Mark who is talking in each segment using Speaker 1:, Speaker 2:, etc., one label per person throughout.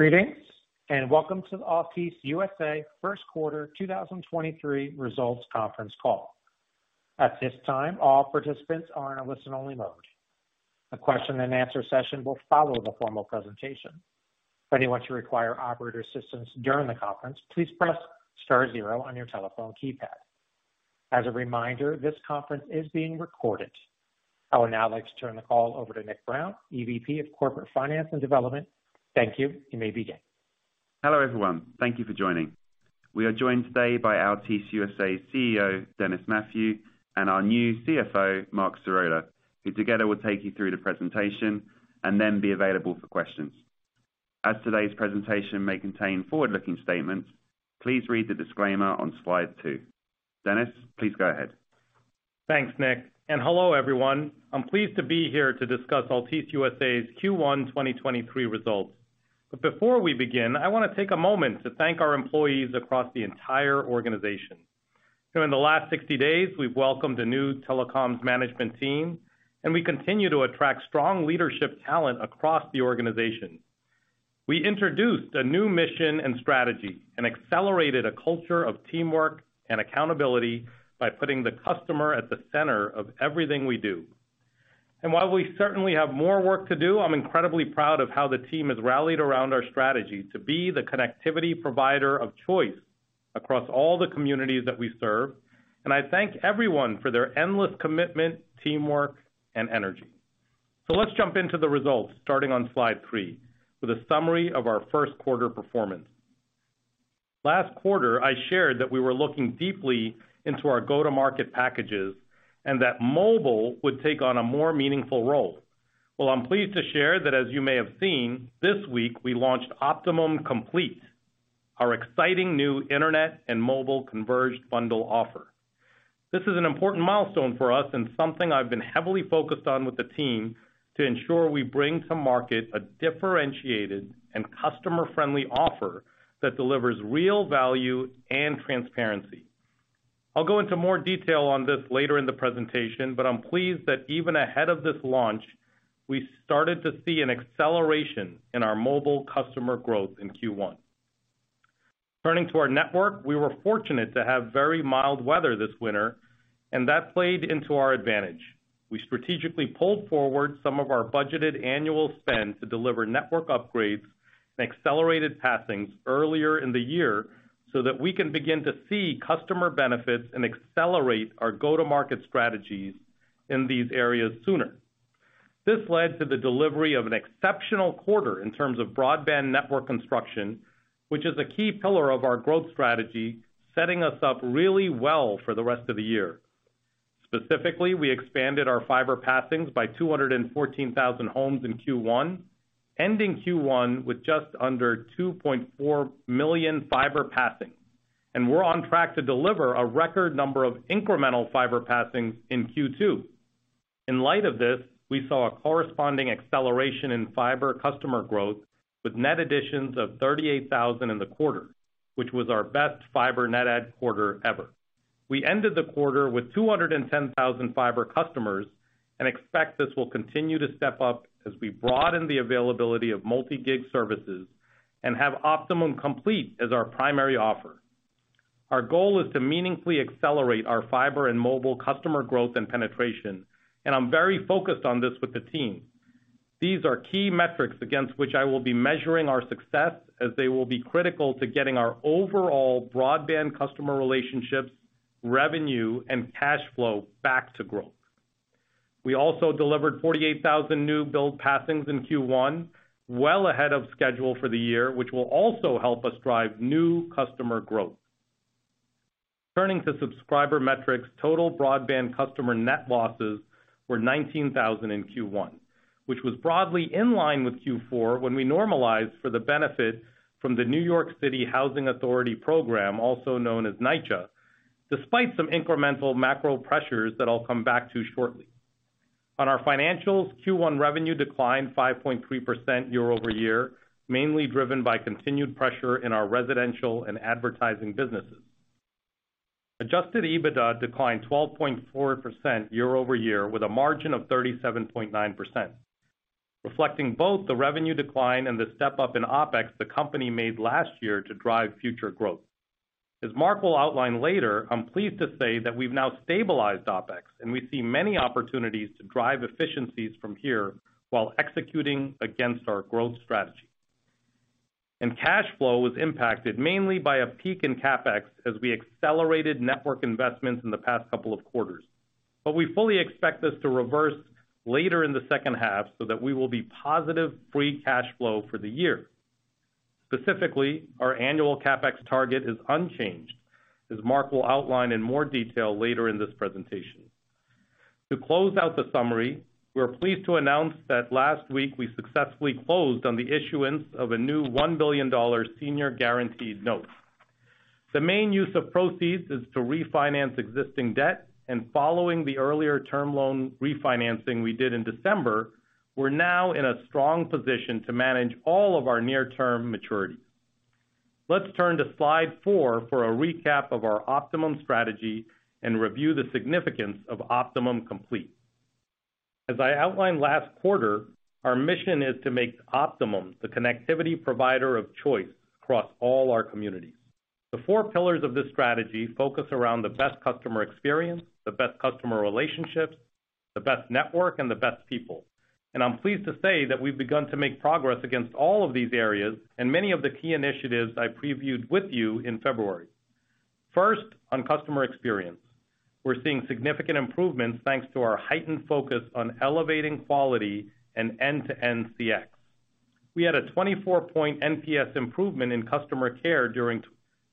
Speaker 1: Greetings, and welcome to the Altice USA first quarter 2023 results conference call. At this time, all participants are in a listen-only mode. A question and answer session will follow the formal presentation. If anyone should require operator assistance during the conference, please press star zero on your telephone keypad. As a reminder, this conference is being recorded. I would now like to turn the call over to Nick Brown, EVP of Corporate Finance and Development. Thank you. You may begin.
Speaker 2: Hello, everyone. Thank you for joining. We are joined today by Altice USA's CEO, Dennis Mathew, and our new CFO, Marc Sirota, who together will take you through the presentation and then be available for questions. As today's presentation may contain forward-looking statements, please read the disclaimer on slide 2. Dennis, please go ahead.
Speaker 3: Thanks, Nick, hello, everyone. I'm pleased to be here to discuss Altice USA's Q1 2023 results. Before we begin, I wanna take a moment to thank our employees across the entire organization. In the last 60 days, we've welcomed a new telecoms management team, and we continue to attract strong leadership talent across the organization. We introduced a new mission and strategy, and accelerated a culture of teamwork and accountability by putting the customer at the center of everything we do. While we certainly have more work to do, I'm incredibly proud of how the team has rallied around our strategy to be the connectivity provider of choice across all the communities that we serve, and I thank everyone for their endless commitment, teamwork, and energy. Let's jump into the results starting on slide 3 with a summary of our first quarter performance. Last quarter, I shared that we were looking deeply into our go-to-market packages, and that mobile would take on a more meaningful role. Well, I'm pleased to share that as you may have seen, this week we launched Optimum Complete, our exciting new internet and mobile converged bundle offer. This is an important milestone for us and something I've been heavily focused on with the team to ensure we bring to market a differentiated and customer-friendly offer that delivers real value and transparency. I'll go into more detail on this later in the presentation, but I'm pleased that even ahead of this launch, we started to see an acceleration in our mobile customer growth in Q1. Turning to our network, we were fortunate to have very mild weather this winter, and that played into our advantage. We strategically pulled forward some of our budgeted annual spend to deliver network upgrades and accelerated passings earlier in the year, so that we can begin to see customer benefits and accelerate our go-to-market strategies in these areas sooner. This led to the delivery of an exceptional quarter in terms of broadband network construction, which is a key pillar of our growth strategy, setting us up really well for the rest of the year. Specifically, we expanded our fiber passings by 214,000 homes in Q1, ending Q1 with just under 2.4 million fiber passings. We're on track to deliver a record number of incremental fiber passings in Q2. In light of this, we saw a corresponding acceleration in fiber customer growth with net additions of 38,000 in the quarter, which was our best fiber net add quarter ever. We ended the quarter with 210,000 fiber customers and expect this will continue to step up as we broaden the availability of multi-gig services and have Optimum Complete as our primary offer. Our goal is to meaningfully accelerate our fiber and mobile customer growth and penetration. I'm very focused on this with the team. These are key metrics against which I will be measuring our success as they will be critical to getting our overall broadband customer relationships, revenue, and cash flow back to growth. We also delivered 48,000 new build passings in Q1, well ahead of schedule for the year, which will also help us drive new customer growth. Turning to subscriber metrics, total broadband customer net losses were 19,000 in Q1, which was broadly in line with Q4 when we normalized for the benefit from the New York City Housing Authority program, also known as NYCHA, despite some incremental macro pressures that I'll come back to shortly. On our financials, Q1 revenue declined 5.3% year-over-year, mainly driven by continued pressure in our residential and advertising businesses. Adjusted EBITDA declined 12.4% year-over-year with a margin of 37.9%, reflecting both the revenue decline and the step-up in OpEx the company made last year to drive future growth. As Marc will outline later, I'm pleased to say that we've now stabilized OpEx, and we see many opportunities to drive efficiencies from here while executing against our growth strategy. Cash flow was impacted mainly by a peak in CapEx as we accelerated network investments in the past couple of quarters. We fully expect this to reverse later in the second half so that we will be positive free cash flow for the year. Specifically, our annual CapEx target is unchanged, as Marc will outline in more detail later in this presentation. To close out the summary, we're pleased to announce that last week we successfully closed on the issuance of a new $1 billion senior guaranteed note. The main use of proceeds is to refinance existing debt, and following the earlier term loan refinancing we did in December, we're now in a strong position to manage all of our near-term maturities. Let's turn to slide 4 for a recap of our Optimum strategy and review the significance of Optimum Complete. As I outlined last quarter, our mission is to make Optimum the connectivity provider of choice across all our communities. The four pillars of this strategy focus around the best customer experience, the best customer relationships, the best network, and the best people. I'm pleased to say that we've begun to make progress against all of these areas and many of the key initiatives I previewed with you in February. First, on customer experience. We're seeing significant improvements thanks to our heightened focus on elevating quality and end-to-end CX. We had a 24 point NPS improvement in customer care during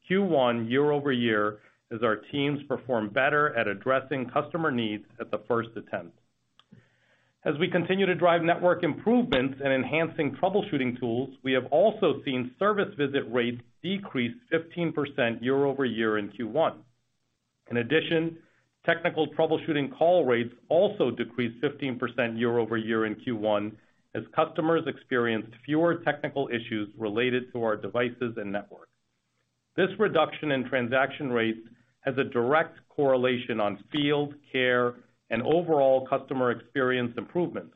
Speaker 3: Q1 year-over-year as our teams performed better at addressing customer needs at the first attempt. As we continue to drive network improvements and enhancing troubleshooting tools, we have also seen service visit rates decrease 15% year-over-year in Q1. Technical troubleshooting call rates also decreased 15% year-over-year in Q1 as customers experienced fewer technical issues related to our devices and network. This reduction in transaction rates has a direct correlation on field, care, and overall customer experience improvements.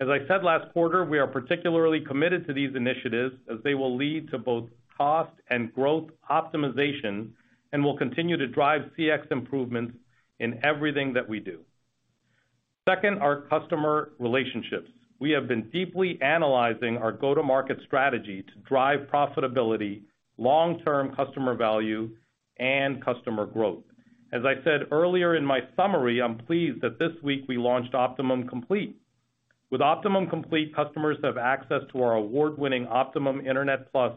Speaker 3: As I said last quarter, we are particularly committed to these initiatives as they will lead to both cost and growth optimization and will continue to drive CX improvements in everything that we do. Our customer relationships. We have been deeply analyzing our go-to-market strategy to drive profitability, long-term customer value, and customer growth. As I said earlier in my summary, I'm pleased that this week we launched Optimum Complete. With Optimum Complete, customers have access to our award-winning Optimum Internet plus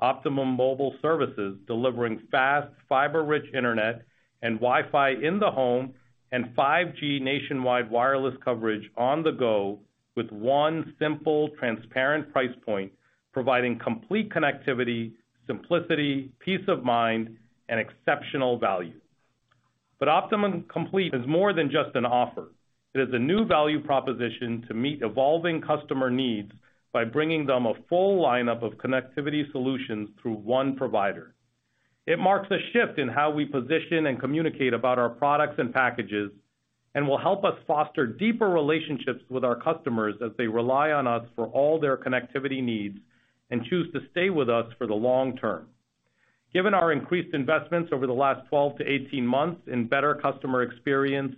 Speaker 3: Optimum Mobile services, delivering fast, fiber-rich internet and Wi-Fi in the home and 5G nationwide wireless coverage on the go with one simple, transparent price point, providing complete connectivity, simplicity, peace of mind, and exceptional value. Optimum Complete is more than just an offer. It is a new value proposition to meet evolving customer needs by bringing them a full lineup of connectivity solutions through one provider. It marks a shift in how we position and communicate about our products and packages and will help us foster deeper relationships with our customers as they rely on us for all their connectivity needs and choose to stay with us for the long-term. Given our increased investments over the last 12 to 18 months in better customer experience,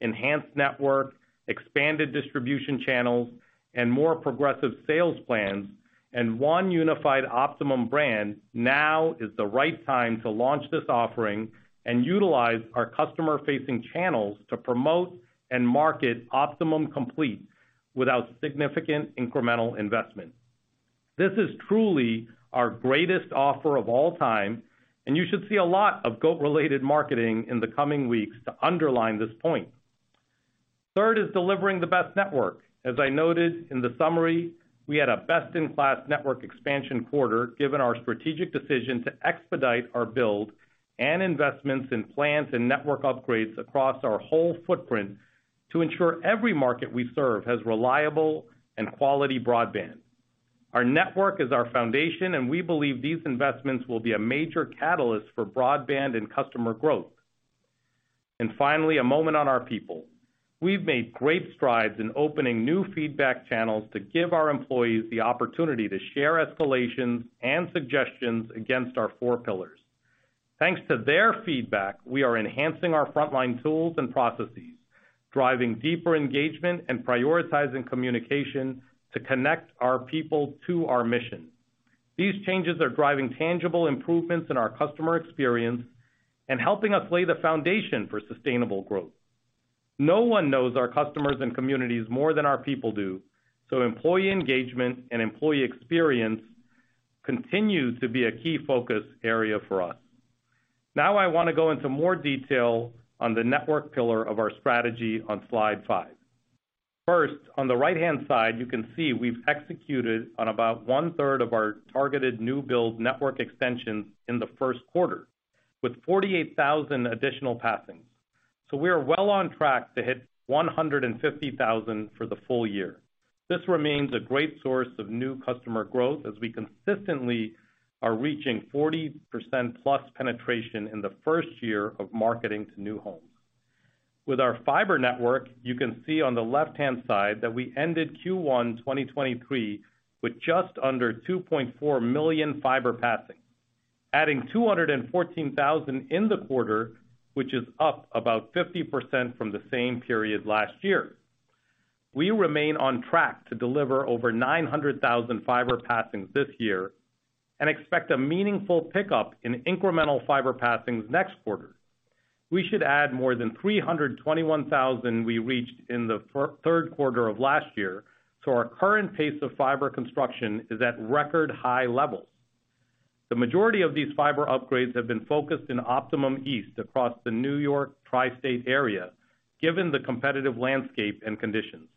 Speaker 3: enhanced network, expanded distribution channels, and more progressive sales plans, and one unified Optimum brand, now is the right time to launch this offering and utilize our customer-facing channels to promote and market Optimum Complete without significant incremental investment. This is truly our greatest offer of all time, and you should see a lot of GOAT-related marketing in the coming weeks to underline this point. Third is delivering the best network. As I noted in the summary, we had a best-in-class network expansion quarter given our strategic decision to expedite our build and investments in plans and network upgrades across our whole footprint to ensure every market we serve has reliable and quality broadband. Our network is our foundation. We believe these investments will be a major catalyst for broadband and customer growth. Finally, a moment on our people. We've made great strides in opening new feedback channels to give our employees the opportunity to share escalations and suggestions against our four pillars. Thanks to their feedback, we are enhancing our frontline tools and processes, driving deeper engagement and prioritizing communication to connect our people to our mission. These changes are driving tangible improvements in our customer experience and helping us lay the foundation for sustainable growth. No one knows our customers and communities more than our people do, employee engagement and employee experience continue to be a key focus area for us. I want to go into more detail on the network pillar of our strategy on slide 5. On the right-hand side, you can see we've executed on about one-third of our targeted new build network extensions in the first quarter, with 48,000 additional passings. We are well on track to hit 150,000 for the full year. This remains a great source of new customer growth as we consistently are reaching 40%+ penetration in the first year of marketing to new homes. With our fiber network, you can see on the left-hand side that we ended Q1 2023 with just under 2.4 million fiber passings, adding 214,000 in the quarter, which is up about 50% from the same period last year. We remain on track to deliver over 900,000 fiber passings this year and expect a meaningful pickup in incremental fiber passings next quarter. We should add more than 321,000 we reached in the third quarter of last year, so our current pace of fiber construction is at record high levels. The majority of these fiber upgrades have been focused in Optimum East across the New York tri-state area, given the competitive landscape and conditions.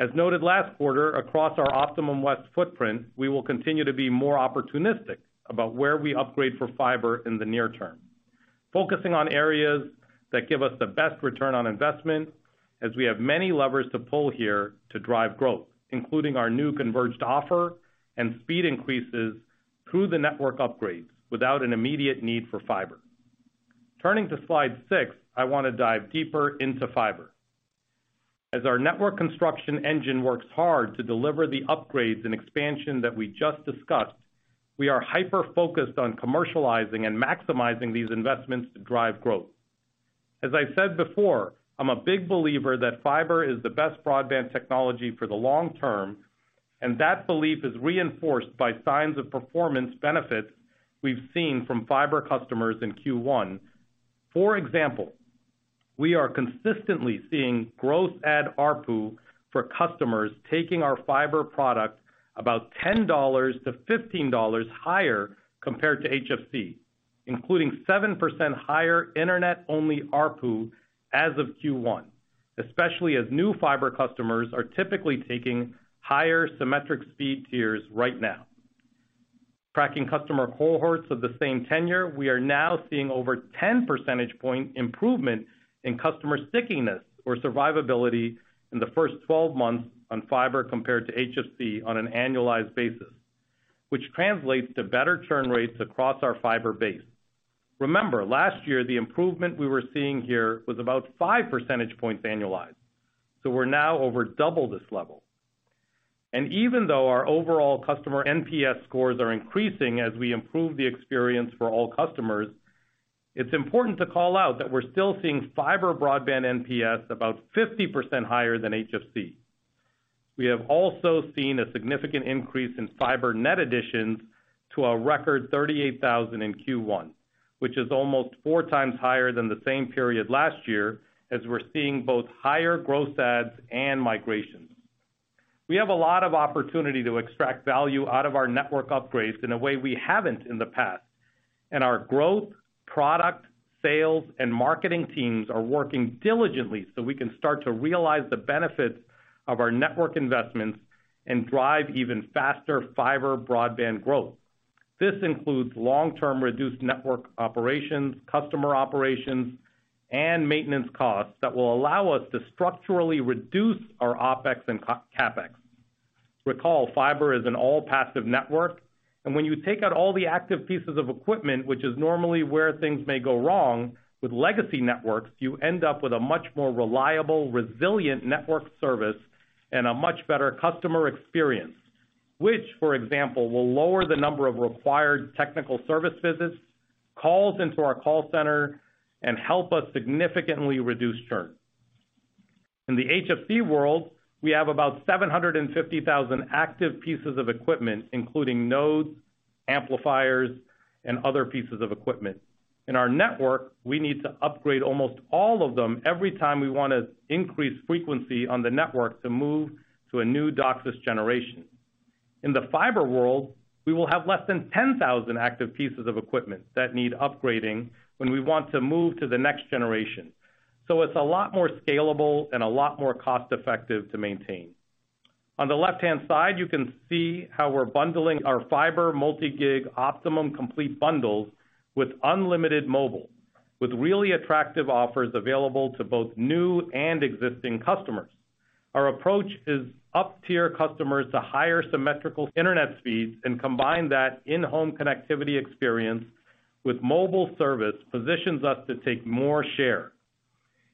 Speaker 3: As noted last quarter, across our Optimum West footprint, we will continue to be more opportunistic about where we upgrade for fiber in the near term, focusing on areas that give us the best return on investment as we have many levers to pull here to drive growth, including our new converged offer and speed increases through the network upgrades without an immediate need for fiber. Turning to slide 6, I want to dive deeper into fiber. As our network construction engine works hard to deliver the upgrades and expansion that we just discussed, we are hyper-focused on commercializing and maximizing these investments to drive growth. As I said before, I'm a big believer that fiber is the best broadband technology for the long term. That belief is reinforced by signs of performance benefits we've seen from fiber customers in Q1. For example, we are consistently seeing gross add ARPU for customers taking our fiber product about $10-$15 higher compared to HFC, including 7% higher internet-only ARPU as of Q1, especially as new fiber customers are typically taking higher symmetric speed tiers right now. Tracking customer cohorts of the same tenure, we are now seeing over 10 percentage point improvement in customer stickiness or survivability in the first 12 months on fiber compared to HFC on an annualized basis, which translates to better churn rates across our fiber base. Remember, last year, the improvement we were seeing here was about 5 percentage points annualized, so we're now over double this level. Even though our overall customer NPS scores are increasing as we improve the experience for all customers, it's important to call out that we're still seeing fiber broadband NPS about 50% higher than HFC. We have also seen a significant increase in fiber net additions to a record 38,000 in Q1, which is almost 4x higher than the same period last year, as we're seeing both higher gross adds and migrations. We have a lot of opportunity to extract value out of our network upgrades in a way we haven't in the past, and our growth, product, sales, and marketing teams are working diligently so we can start to realize the benefits of our network investments and drive even faster fiber broadband growth. This includes long-term reduced network operations, customer operations, and maintenance costs that will allow us to structurally reduce our OpEx and CapEx. Recall, fiber is an all-passive network, and when you take out all the active pieces of equipment, which is normally where things may go wrong with legacy networks, you end up with a much more reliable, resilient network service and a much better customer experience, which, for example, will lower the number of required technical service visits, calls into our call center, and help us significantly reduce churn. In the HFC world, we have about 750,000 active pieces of equipment, including nodes, amplifiers, and other pieces of equipment. In our network, we need to upgrade almost all of them every time we wanna increase frequency on the network to move to a new DOCSIS generation. In the fiber world, we will have less than 10,000 active pieces of equipment that need upgrading when we want to move to the next generation. It's a lot more scalable and a lot more cost-effective to maintain. On the left-hand side, you can see how we're bundling our fiber multi-gig Optimum Complete bundles with unlimited mobile, with really attractive offers available to both new and existing customers. Our approach is up-tier customers to higher symmetrical internet speeds and combine that in-home connectivity experience with mobile service positions us to take more share.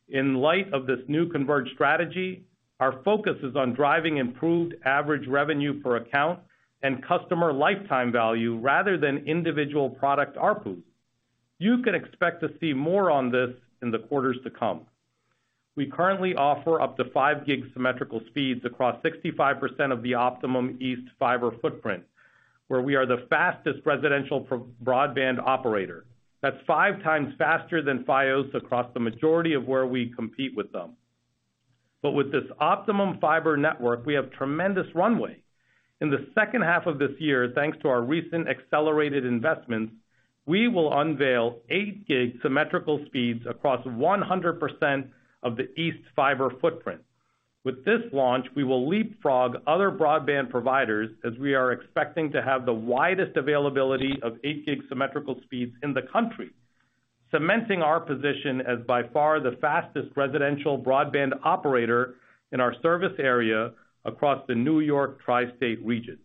Speaker 3: In light of this new converged strategy, our focus is on driving improved average revenue per account and customer lifetime value rather than individual product ARPU. You can expect to see more on this in the quarters to come. We currently offer up to 5 gig symmetrical speeds across 65% of the Optimum East fiber footprint, where we are the fastest residential broadband operator. That's 5x faster than Fios across the majority of where we compete with them. With this Optimum fiber network, we have tremendous runway. In the second half of this year, thanks to our recent accelerated investments, we will unveil 8 gig symmetrical speeds across 100% of the East fiber footprint. With this launch, we will leapfrog other broadband providers as we are expecting to have the widest availability of 8 gig symmetrical speeds in the country, cementing our position as by far the fastest residential broadband operator in our service area across the New York tri-state region.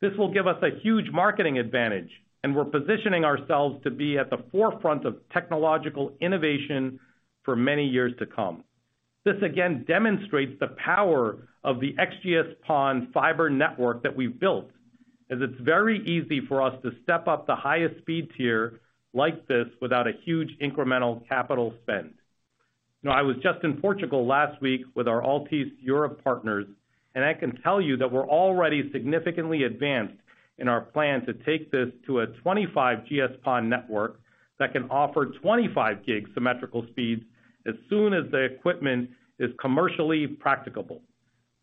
Speaker 3: This will give us a huge marketing advantage, and we're positioning ourselves to be at the forefront of technological innovation for many years to come. This again demonstrates the power of the XGS-PON fiber network that we've built, as it's very easy for us to step up the highest speed tier like this without a huge incremental capital spend. I was just in Portugal last week with our Altice Europe partners, and I can tell you that we're already significantly advanced in our plan to take this to a 25GS-PON network that can offer 25 gig symmetrical speeds as soon as the equipment is commercially practicable.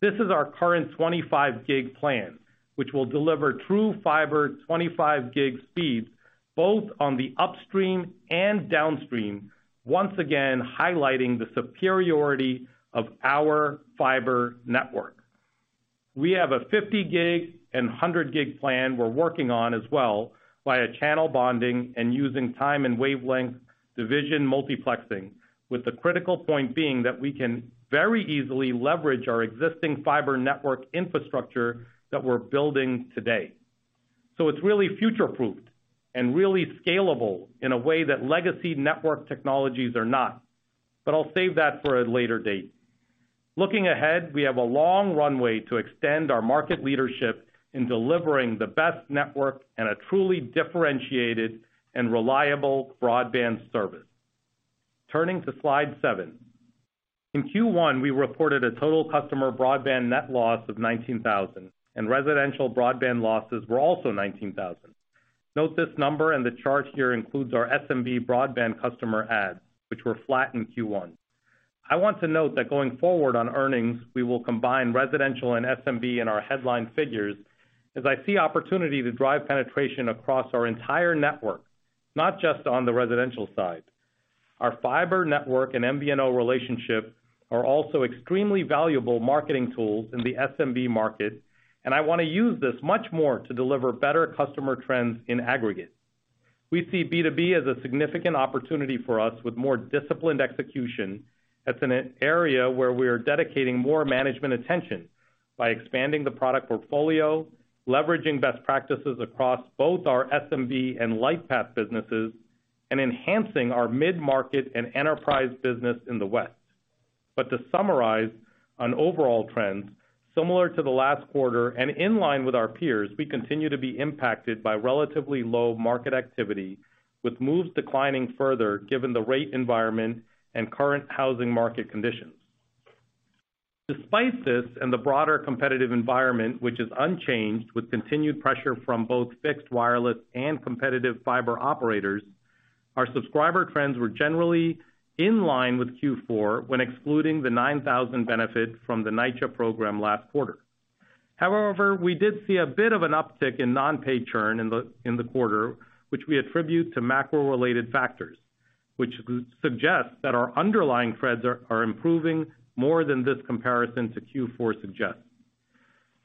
Speaker 3: This is our current 25 gig plan, which will deliver true fiber 25 gig speeds both on the upstream and downstream, once again highlighting the superiority of our fiber network. We have a 50 gig and 100 gig plan we're working on as well via channel bonding and using time and wavelength division multiplexing, with the critical point being that we can very easily leverage our existing fiber network infrastructure that we're building today. It's really future-proofed and really scalable in a way that legacy network technologies are not. I'll save that for a later date. Looking ahead, we have a long runway to extend our market leadership in delivering the best network and a truly differentiated and reliable broadband service. Turning to slide 7. In Q1, we reported a total customer broadband net loss of 19,000, and residential broadband losses were also 19,000. Note this number and the chart here includes our SMB broadband customer adds, which were flat in Q1. I want to note that going forward on earnings, we will combine residential and SMB in our headline figures as I see opportunity to drive penetration across our entire network, not just on the residential side. Our fiber network and MVNO relationship are also extremely valuable marketing tools in the SMB market. I wanna use this much more to deliver better customer trends in aggregate. We see B2B as a significant opportunity for us with more disciplined execution. That's an area where we are dedicating more management attention by expanding the product portfolio, leveraging best practices across both our SMB and Lightpath businesses, and enhancing our mid-market and enterprise business in the West. To summarize on overall trends, similar to the last quarter and in line with our peers, we continue to be impacted by relatively low market activity, with moves declining further given the rate environment and current housing market conditions. Despite this and the broader competitive environment, which is unchanged with continued pressure from both fixed wireless and competitive fiber operators, our subscriber trends were generally in line with Q4 when excluding the 9,000 benefit from the NYCHA program last quarter. We did see a bit of an uptick in non-pay churn in the quarter, which we attribute to macro-related factors, which suggests that our underlying trends are improving more than this comparison to Q4 suggests.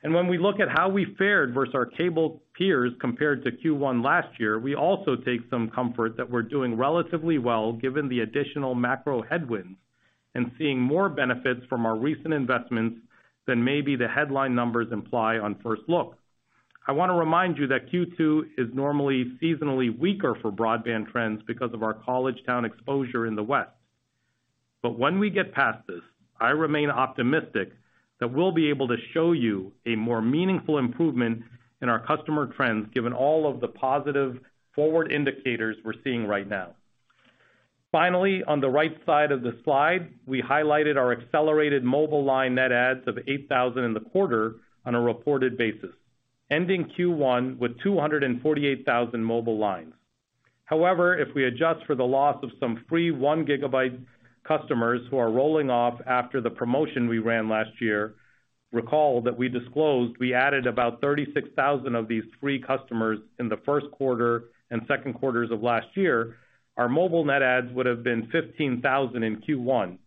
Speaker 3: When we look at how we fared versus our cable peers compared to Q1 last year, we also take some comfort that we're doing relatively well, given the additional macro headwinds and seeing more benefits from our recent investments than maybe the headline numbers imply on first look. I wanna remind you that Q2 is normally seasonally weaker for broadband trends because of our college town exposure in the West. When we get past this, I remain optimistic that we'll be able to show you a more meaningful improvement in our customer trends, given all of the positive forward indicators we're seeing right now. Finally, on the right side of the slide, we highlighted our accelerated Optimum Mobile line net adds of 8,000 in the quarter on a reported basis, ending Q1 with 248,000 Optimum Mobile lines. If we adjust for the loss of some free one gigabyte customers who are rolling off after the promotion we ran last year, recall that we disclosed we added about 36,000 of these free customers in the first quarter and second quarters of last year, our mobile net adds would have been 15,000 in Q1.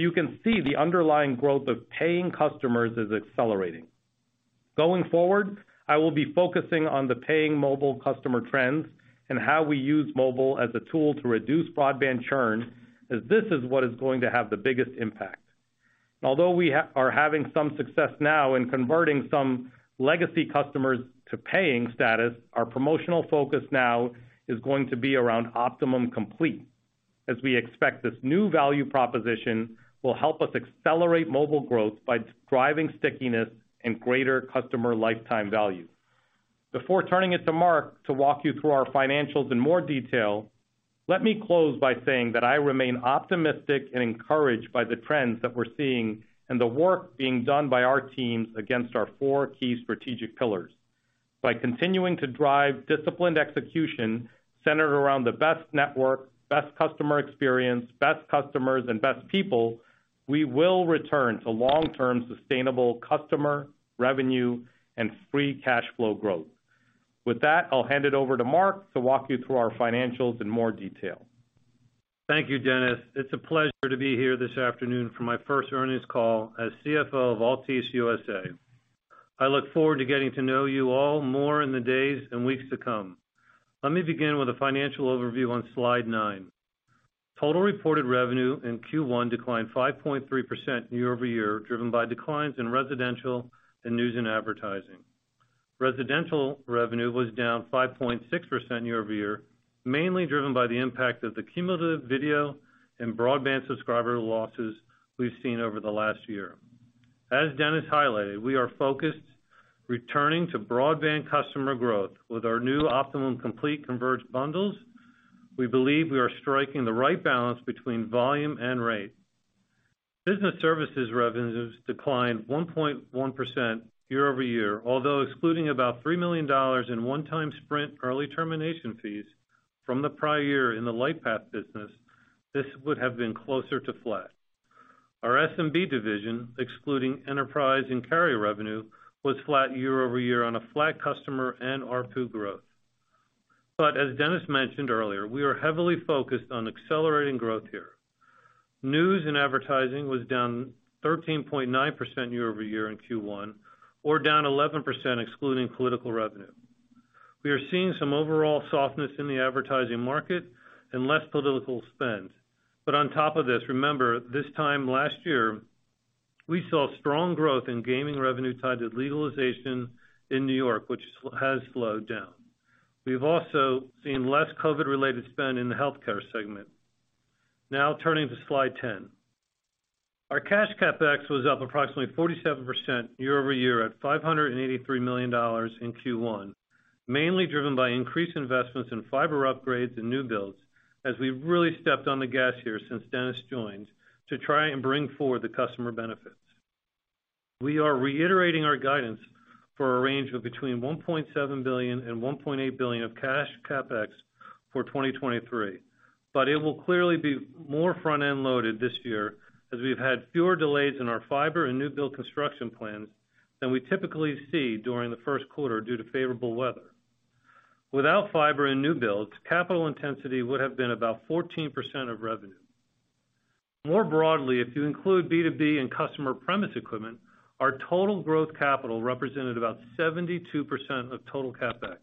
Speaker 3: You can see the underlying growth of paying customers is accelerating. Going forward, I will be focusing on the paying mobile customer trends and how we use mobile as a tool to reduce broadband churn, as this is what is going to have the biggest impact. Although we are having some success now in converting some legacy customers to paying status, our promotional focus now is going to be around Optimum Complete, as we expect this new value proposition will help us accelerate mobile growth by driving stickiness and greater customer lifetime value. Before turning it to Marc to walk you through our financials in more detail, let me close by saying that I remain optimistic and encouraged by the trends that we're seeing and the work being done by our teams against our four key strategic pillars. By continuing to drive disciplined execution centered around the best network, best customer experience, best customers, and best people, we will return to long-term sustainable customer revenue and free cash flow growth. With that, I'll hand it over to Marc to walk you through our financials in more detail.
Speaker 4: Thank you, Dennis. It's a pleasure to be here this afternoon for my first earnings call as CFO of Altice USA. I look forward to getting to know you all more in the days and weeks to come. Let me begin with a financial overview on slide 9. Total reported revenue in Q1 declined 5.3% year-over-year, driven by declines in residential and news and advertising. Residential revenue was down 5.6% year-over-year, mainly driven by the impact of the cumulative video and broadband subscriber losses we've seen over the last year. As Dennis highlighted, we are focused, returning to broadband customer growth with our new Optimum Complete converged bundles. We believe we are striking the right balance between volume and rate. Business services revenues declined 1.1% year-over-year, although excluding about $3 million in one-time Sprint early termination fees from the prior year in the Lightpath business, this would have been closer to flat. Our SMB division, excluding enterprise and carrier revenue, was flat year-over-year on a flat customer and ARPU growth. As Dennis mentioned earlier, we are heavily focused on accelerating growth here. News and advertising was down 13.9% year-over-year in Q1, or down 11% excluding political revenue. We are seeing some overall softness in the advertising market and less political spend. On top of this, remember, this time last year, we saw strong growth in gaming revenue tied to legalization in New York, which has slowed down. We've also seen less COVID-related spend in the healthcare segment. Turning to slide 10. Our cash CapEx was up approximately 47% year-over-year at $583 million in Q1, mainly driven by increased investments in fiber upgrades and new builds as we really stepped on the gas here since Dennis joined to try and bring forward the customer benefits. We are reiterating our guidance for a range of between $1.7 billion and $1.8 billion of cash CapEx for 2023. It will clearly be more front-end loaded this year as we've had fewer delays in our fiber and new build construction plans than we typically see during the first quarter due to favorable weather. Without fiber and new builds, capital intensity would have been about 14% of revenue. More broadly, if you include B2B and customer premise equipment, our total growth capital represented about 72% of total CapEx.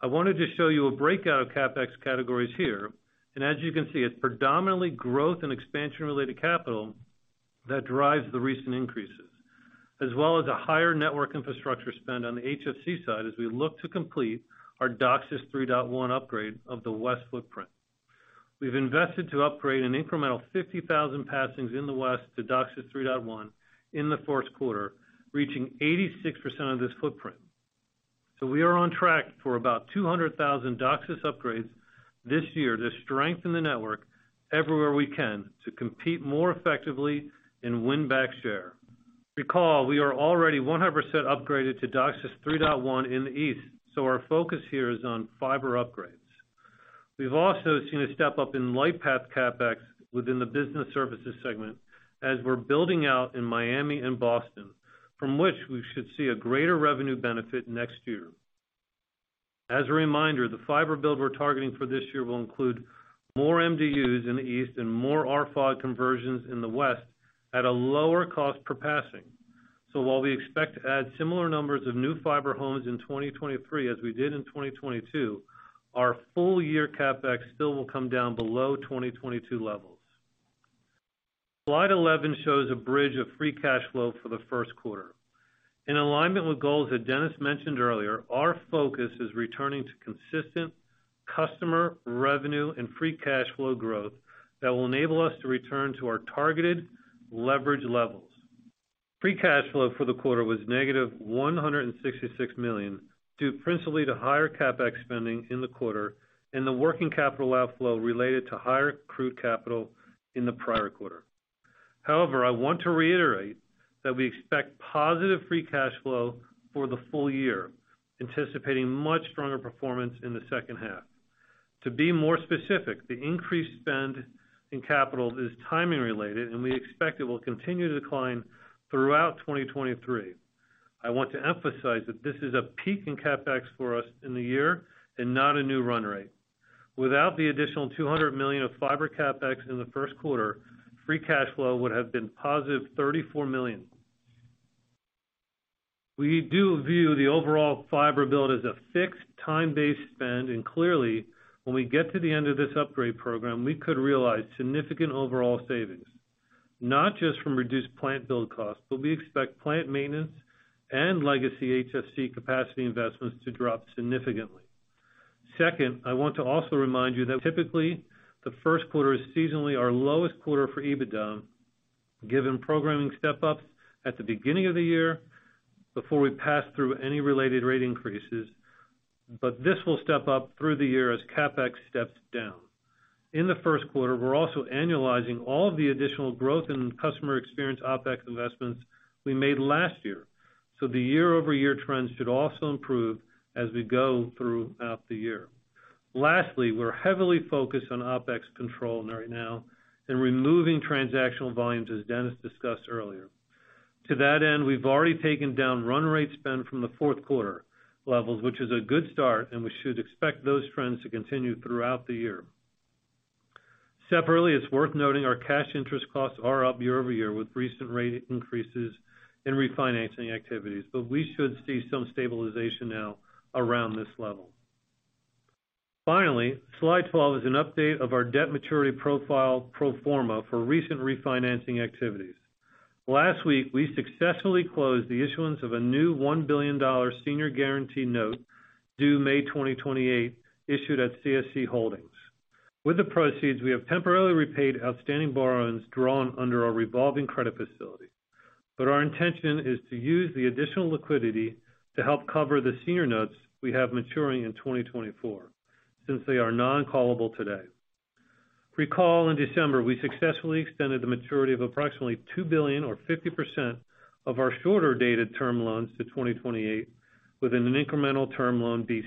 Speaker 4: I wanted to show you a breakout of CapEx categories here. As you can see, it's predominantly growth and expansion-related capital that drives the recent increases, as well as a higher network infrastructure spend on the HFC side as we look to complete our DOCSIS 3.1 upgrade of the west footprint. We've invested to upgrade an incremental 50,000 passings in the west to DOCSIS 3.1 in the first quarter, reaching 86% of this footprint. We are on track for about 200,000 DOCSIS upgrades this year to strengthen the network everywhere we can to compete more effectively and win back share. Recall, we are already 100% upgraded to DOCSIS 3.1 in the East. Our focus here is on fiber upgrades. We've also seen a step-up in Lightpath CapEx within the business services segment as we're building out in Miami and Boston, from which we should see a greater revenue benefit next year. As a reminder, the fiber build we're targeting for this year will include more MDUs in the East and more RFOG conversions in the West at a lower cost per passing. While we expect to add similar numbers of new fiber homes in 2023 as we did in 2022, our full year CapEx still will come down below 2022 levels. Slide 11 shows a bridge of free cash flow for the first quarter. In alignment with goals that Dennis mentioned earlier, our focus is returning to consistent customer revenue and free cash flow growth that will enable us to return to our targeted leverage levels. Free cash flow for the quarter was -$166 million, due principally to higher CapEx spending in the quarter and the working capital outflow related to higher accrued capital in the prior quarter. I want to reiterate that we expect positive free cash flow for the full year, anticipating much stronger performance in the second half. To be more specific, the increased spend in capital is timing related, and we expect it will continue to decline throughout 2023. I want to emphasize that this is a peak in CapEx for us in the year and not a new run rate. Without the additional $200 million of fiber CapEx in the first quarter, free cash flow would have been +$34 million. We do view the overall fiber build as a fixed time-based spend, and clearly, when we get to the end of this upgrade program, we could realize significant overall savings, not just from reduced plant build costs, but we expect plant maintenance and legacy HFC capacity investments to drop significantly. Second, I want to also remind you that typically, the first quarter is seasonally our lowest quarter for EBITDA, given programming step-ups at the beginning of the year before we pass through any related rate increases, but this will step up through the year as CapEx steps down. In the first quarter, we're also annualizing all of the additional growth in customer experience OpEx investments we made last year, so the year-over-year trends should also improve as we go throughout the year. Lastly, we're heavily focused on OpEx control right now and removing transactional volumes, as Dennis discussed earlier. To that end, we've already taken down run rate spend from the fourth quarter levels, which is a good start, and we should expect those trends to continue throughout the year. Separately, it's worth noting our cash interest costs are up year-over-year with recent rate increases in refinancing activities, but we should see some stabilization now around this level. Finally, slide 12 is an update of our debt maturity profile pro forma for recent refinancing activities. Last week, we successfully closed the issuance of a new $1 billion senior guarantee note due May 2028, issued at CSC Holdings. With the proceeds, we have temporarily repaid outstanding borrowings drawn under our revolving credit facility. Our intention is to use the additional liquidity to help cover the senior notes we have maturing in 2024 since they are non-callable today. Recall in December, we successfully extended the maturity of approximately $2 billion or 50% of our shorter dated Term Loan B to 2028 within an incremental Term Loan B.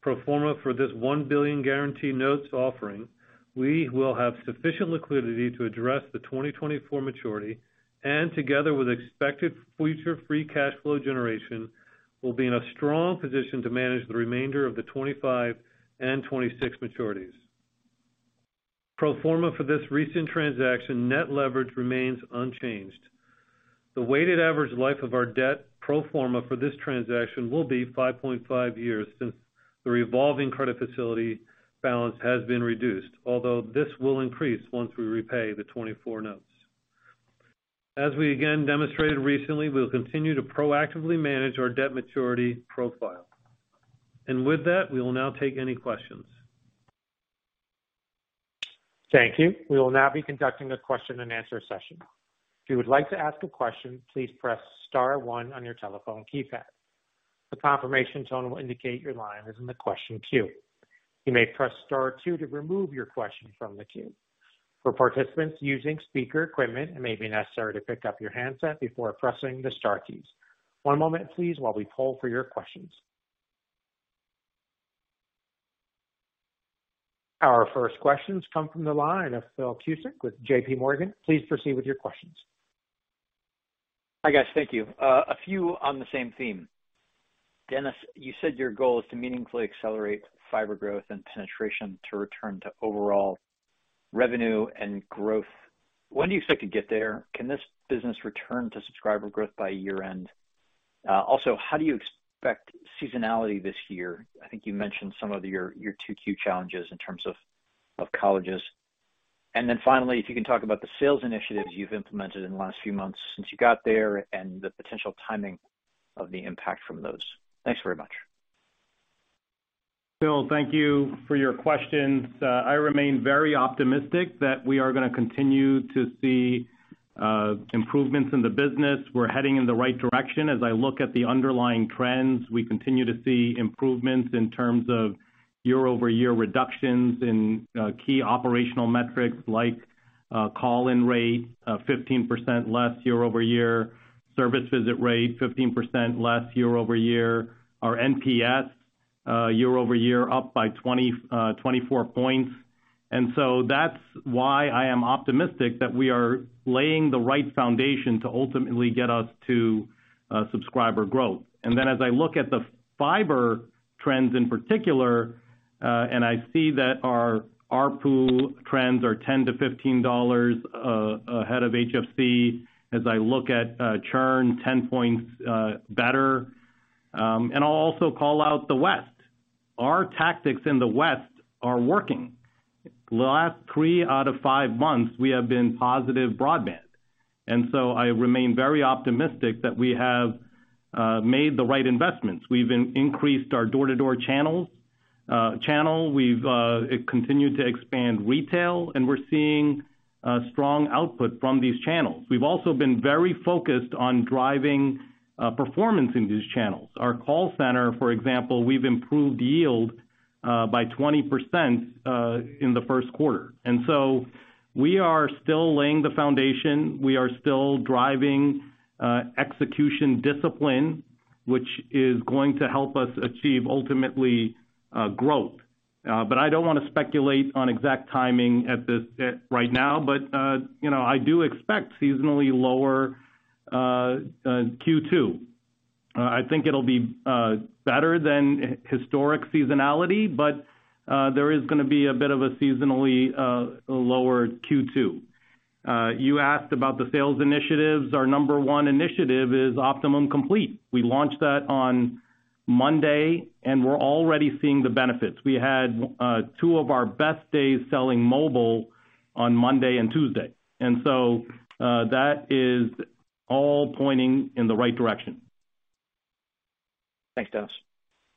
Speaker 4: Pro forma for this $1 billion guarantee notes offering, we will have sufficient liquidity to address the 2024 maturity and together with expected future free cash flow generation, will be in a strong position to manage the remainder of the 2025 and 2026 maturities. Pro forma for this recent transaction, net leverage remains unchanged. The weighted average life of our debt pro forma for this transaction will be 5.5 years since the revolving credit facility balance has been reduced, although this will increase once we repay the 2024 notes. As we again demonstrated recently, we'll continue to proactively manage our debt maturity profile. With that, we will now take any questions.
Speaker 1: Thank you. We will now be conducting a question-and-answer session. If you would like to ask a question, please press star one on your telephone keypad. The confirmation tone will indicate your line is in the question queue. You may press star two to remove your question from the queue. For participants using speaker equipment, it may be necessary to pick up your handset before pressing the star keys. One moment, please, while we poll for your questions. Our first questions come from the line of Phil Cusick with JPMorgan. Please proceed with your questions.
Speaker 5: Hi, guys. Thank you. A few on the same theme. Dennis, you said your goal is to meaningfully accelerate fiber growth and penetration to return to overall revenue and growth. When do you expect to get there? Can this business return to subscriber growth by year-end? Also, how do you expect seasonality this year? I think you mentioned some of your two key challenges in terms of colleges. Finally, if you can talk about the sales initiatives you've implemented in the last few months since you got there and the potential timing of the impact from those. Thanks very much.
Speaker 3: Phil, thank you for your questions. I remain very optimistic that we are gonna continue to see improvements in the business. We're heading in the right direction. As I look at the underlying trends, we continue to see improvements in terms of year-over-year reductions in key operational metrics like call-in rate, 15% less year-over-year, service visit rate, 15% less year-over-year, our NPS year-over-year up by 24 points. That's why I am optimistic that we are laying the right foundation to ultimately get us to subscriber growth. As I look at the fiber trends in particular, and I see that our ARPU trends are $10-$15 ahead of HFC, as I look at churn 10 points better. I'll also call out the West. Our tactics in the West are working. The last three out of five months, we have been positive broadband. I remain very optimistic that we have made the right investments. We've increased our door-to-door channels. We've continued to expand retail. We're seeing strong output from these channels. We've also been very focused on driving performance in these channels. Our call center, for example, we've improved yield by 20% in the first quarter. We are still laying the foundation. We are still driving execution discipline, which is going to help us achieve ultimately growth. I don't wanna speculate on exact timing at this right now. You know, I do expect seasonally lower Q2. I think it'll be better than historic seasonality, there is gonna be a bit of a seasonally lower Q2. You asked about the sales initiatives. Our number one initiative is Optimum Complete. We launched that on Monday, we're already seeing the benefits. We had two of our best days selling mobile on Monday and Tuesday, that is all pointing in the right direction.
Speaker 5: Thanks, Dennis.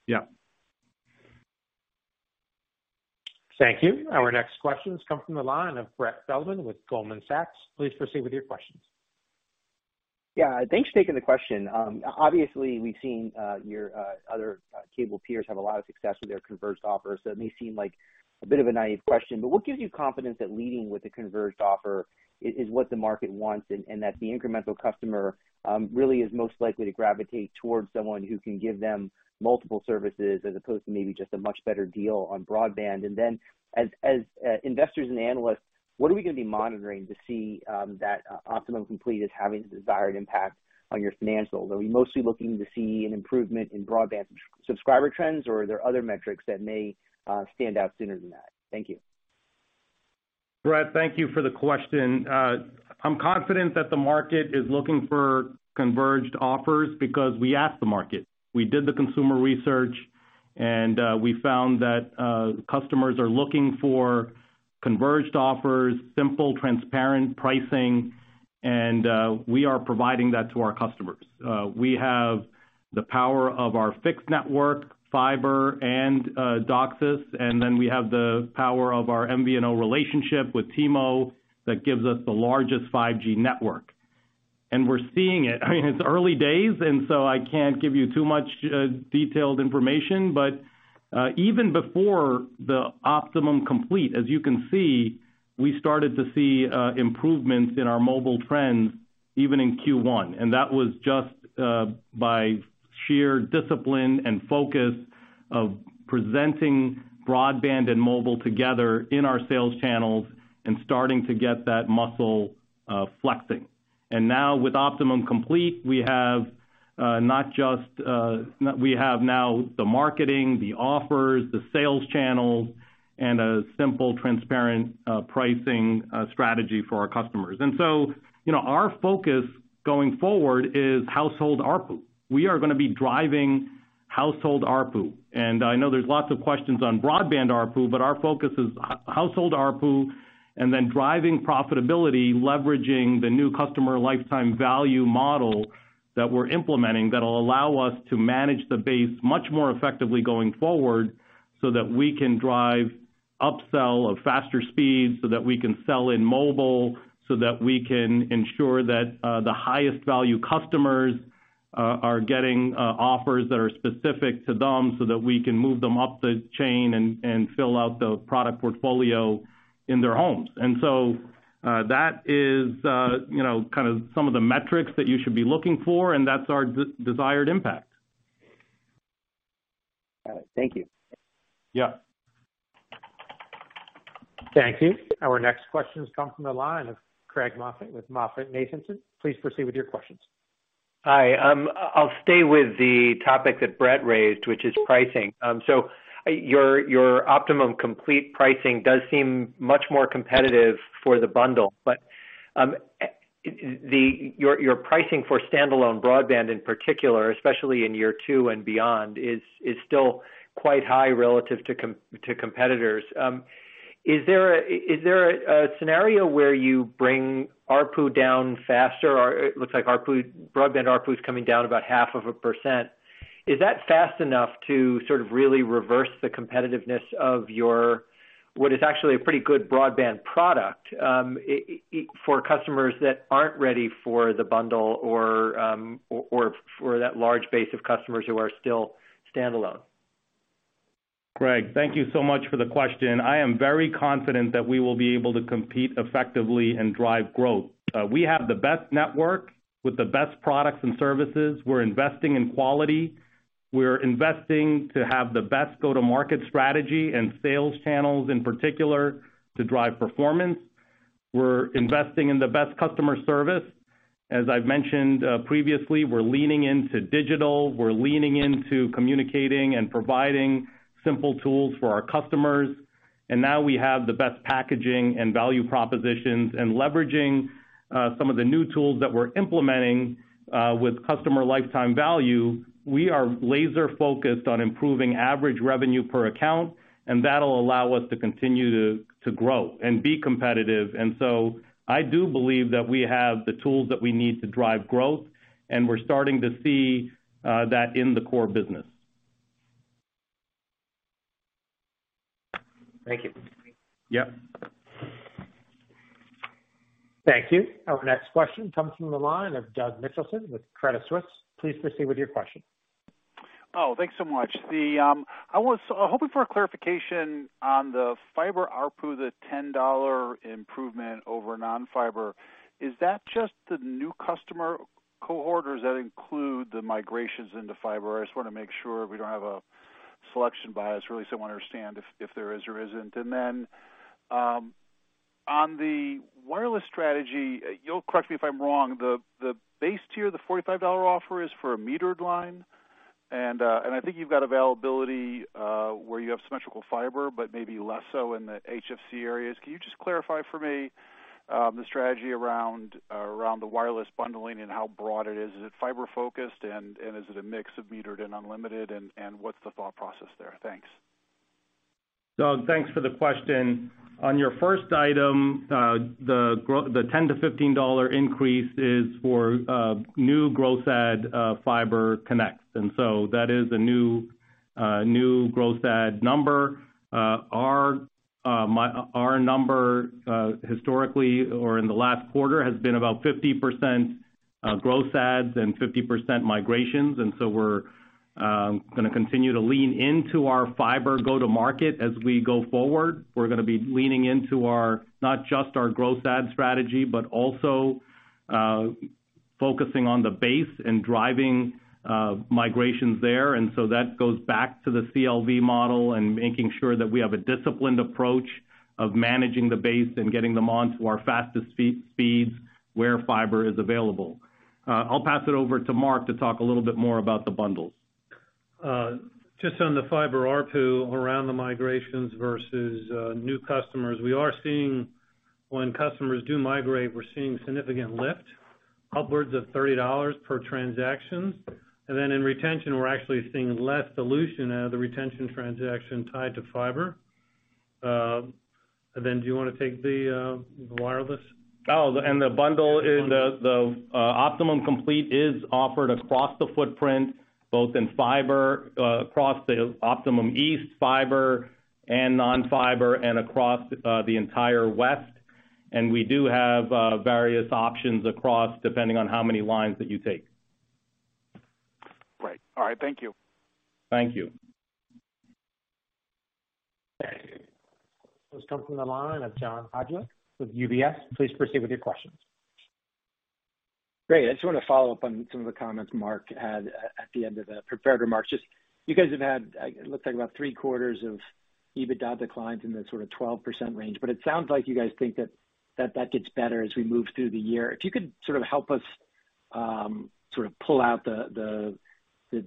Speaker 3: Yeah.
Speaker 1: Thank you. Our next question comes from the line of Brett Feldman with Goldman Sachs. Please proceed with your questions.
Speaker 6: Yeah. Thanks for taking the question. Obviously, we've seen your other cable peers have a lot of success with their converged offers. It may seem like a bit of a naive question, but what gives you confidence that leading with the converged offer is what the market wants, and that the incremental customer really is most likely to gravitate towards someone who can give them multiple services as opposed to maybe just a much better deal on broadband? As investors and analysts, what are we gonna be monitoring to see that Optimum Complete is having the desired impact on your financials? Are we mostly looking to see an improvement in broadband subscriber trends, or are there other metrics that may stand out sooner than that? Thank you.
Speaker 3: Brett, thank you for the question. I'm confident that the market is looking for converged offers because we asked the market. We did the consumer research, we found that customers are looking for converged offers, simple, transparent pricing, we are providing that to our customers. We have the power of our fixed network, fiber and DOCSIS, then we have the power of our MVNO relationship with T-Mobile that gives us the largest 5G network. We're seeing it. I mean, it's early days, I can't give you too much detailed information. Even before the Optimum Complete, as you can see, we started to see improvements in our mobile trends even in Q1, and that was just by sheer discipline and focus of presenting broadband and mobile together in our sales channels and starting to get that muscle flexing. Now with Optimum Complete, we have now the marketing, the offers, the sales channels, and a simple transparent pricing strategy for our customers. You know, our focus going forward is household ARPU. We are gonna be driving household ARPU. I know there's lots of questions on broadband ARPU, but our focus is household ARPU, and then driving profitability, leveraging the new customer lifetime value model that we're implementing that'll allow us to manage the base much more effectively going forward so that we can drive upsell of faster speeds, so that we can sell in mobile, so that we can ensure that the highest value customers are getting offers that are specific to them, so that we can move them up the chain and fill out the product portfolio in their homes. That is, you know, kind of some of the metrics that you should be looking for, and that's our desired impact.
Speaker 6: Got it. Thank you.
Speaker 3: Yeah.
Speaker 1: Thank you. Our next question comes from the line of Craig Moffett with MoffettNathanson. Please proceed with your questions.
Speaker 7: Hi. I'll stay with the topic that Brett raised, which is pricing. Your Optimum Complete pricing does seem much more competitive for the bundle, but your pricing for standalone broadband in particular, especially in Year 2 and beyond, is still quite high relative to competitors. Is there a scenario where you bring ARPU down faster? It looks like ARPU, broadband ARPU is coming down about half of a percent. Is that fast enough to sort of really reverse the competitiveness of your, what is actually a pretty good broadband product, for customers that aren't ready for the bundle or for that large base of customers who are still standalone?
Speaker 3: Craig, thank you so much for the question. I am very confident that we will be able to compete effectively and drive growth. We have the best network with the best products and services. We're investing in quality. We're investing to have the best go-to-market strategy and sales channels, in particular to drive performance. We're investing in the best customer service. As I've mentioned, previously, we're leaning into digital, we're leaning into communicating and providing simple tools for our customers. Now we have the best packaging and value propositions and leveraging, some of the new tools that we're implementing, with customer lifetime value. We are laser focused on improving average revenue per account, and that'll allow us to continue to grow and be competitive. I do believe that we have the tools that we need to drive growth, and we're starting to see that in the core business.
Speaker 7: Thank you.
Speaker 3: Yeah.
Speaker 1: Thank you. Our next question comes from the line of Doug Mitchelson with Credit Suisse. Please proceed with your question.
Speaker 8: Thanks so much. I was hoping for a clarification on the fiber ARPU, the $10 improvement over non-fiber. Is that just the new customer cohort, or does that include the migrations into fiber? I just wanna make sure we don't have a selection bias, really. I want to understand if there is or isn't. On the wireless strategy, you'll correct me if I'm wrong. The base tier, the $45 offer is for a metered line. I think you've got availability where you have symmetrical fiber, but maybe less so in the HFC areas. Can you just clarify for me the strategy around the wireless bundling and how broad it is. Is it fiber-focused, and is it a mix of metered and unlimited, and what's the thought process there? Thanks.
Speaker 3: Doug, thanks for the question. On your first item, the $10-$15 increase is for new gross add fiber connects, that is a new gross add number. Our number historically or in the last quarter has been about 50% gross adds and 50% migrations. We're gonna continue to lean into our fiber go-to-market as we go forward. We're gonna be leaning into our, not just our gross add strategy, but also focusing on the base and driving migrations there. That goes back to the CLV model and making sure that we have a disciplined approach of managing the base and getting them onto our fastest speeds where fiber is available. I'll pass it over to Marc to talk a little bit more about the bundles.
Speaker 4: Just on the fiber ARPU around the migrations versus new customers. We are seeing when customers do migrate, we're seeing significant lift upwards of $30 per transaction. In retention, we're actually seeing less dilution out of the retention transaction tied to fiber. Do you wanna take the wireless?
Speaker 3: The bundle in the Optimum Complete is offered across the footprint, both in fiber, across the Optimum East Fiber and non-fiber and across the entire West. We do have various options across, depending on how many lines that you take.
Speaker 8: Great. All right. Thank you.
Speaker 3: Thank you.
Speaker 1: Thanks. Next comes from the line of John Hodulik with UBS. Please proceed with your questions.
Speaker 9: Great. I just want to follow up on some of the comments Marc had at the end of the prepared remarks. You guys have had, it looks like about three quarters of EBITDA declines in the sort of 12% range. It sounds like you guys think that gets better as we move through the year. If you could sort of help us sort of pull out the